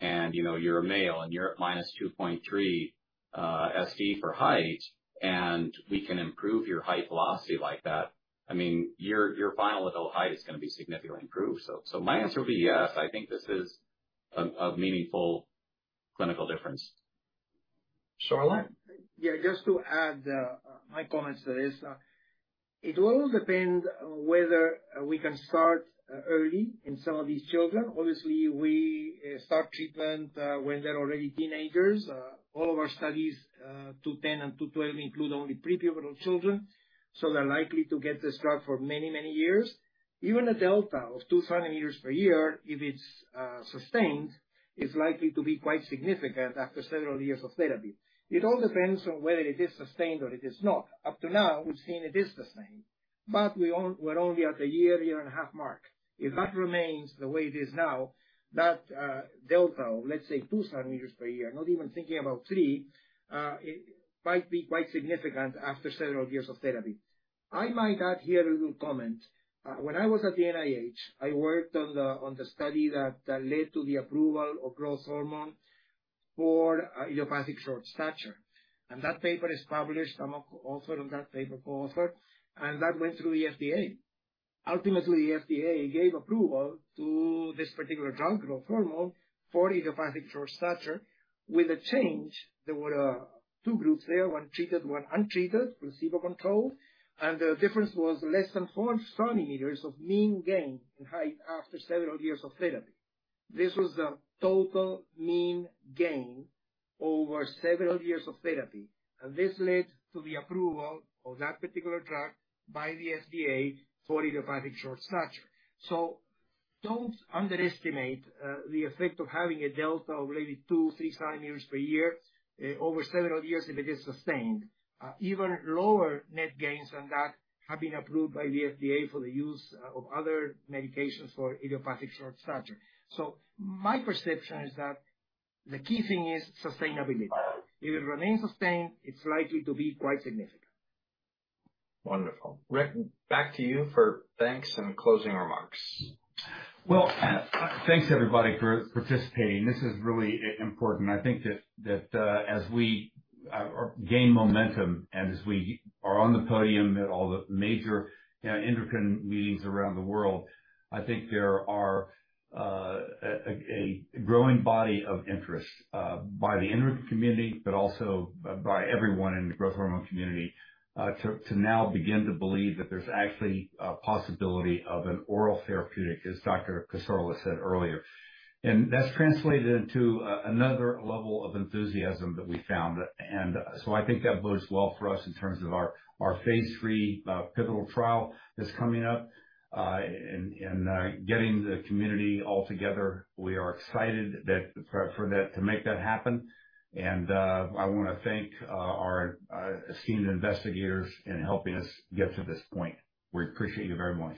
[SPEAKER 5] and you know you're a male and you're at -2.3 SD for height, and we can improve your height velocity like that, I mean, your final adult height is going to be significantly improved. My answer would be yes. I think this is a meaningful clinical difference.
[SPEAKER 2] Sorla?
[SPEAKER 4] Just to add my comments to this. It will depend whether we can start early in some of these children. Obviously, we start treatment when they're already teenagers. All of our studies, 210 and 212, include only pre-pubertal children, so they're likely to get this drug for many, many years. Even a delta of 2 centimeters per year, if it's sustained, is likely to be quite significant after several years of therapy. It all depends on whether it is sustained or it is not. Up to now, we've seen it is sustained, but we're only at the year and a half mark. If that remains the way it is now, that delta of, let's say, 2 centimeters per year, not even thinking about 3, it might be quite significant after several years of therapy. I might add here a little comment. When I was at the NIH, I worked on the study that led to the approval of growth hormone for idiopathic short stature, that paper is published. I'm author on that paper, co-author, that went through the FDA. Ultimately, the FDA gave approval to this particular drug, growth hormone, for idiopathic short stature with a change. There were two groups there, one treated, one untreated, placebo-controlled, the difference was less than 4 centimeters of mean gain in height after several years of therapy. This was a total mean gain over several years of therapy, this led to the approval of that particular drug by the FDA for idiopathic short stature. Don't underestimate the effect of having a delta of maybe 2, 3 centimeters per year over several years if it is sustained. Even lower net gains than that have been approved by the FDA for the use of other medications for idiopathic short stature. My perception is that the key thing is sustainability. If it remains sustained, it's likely to be quite significant.
[SPEAKER 6] Wonderful. Rick, back to you for thanks and closing remarks.
[SPEAKER 2] Well, thanks, everybody, for participating. This is really important. I think that, as we gain momentum and as we are on the podium at all the major endocrine meetings around the world, I think there are a growing body of interest by the endocrine community, but also by everyone in the growth hormone community, to now begin to believe that there's actually a possibility of an oral therapeutic, as Dr. Cassorla said earlier, and that's translated into another level of enthusiasm that we found. I think that bodes well for us in terms of our Phase 3 pivotal trial that's coming up, and getting the community all together. We are excited that to make that happen. I want to thank our esteemed investigators in helping us get to this point. We appreciate you very much.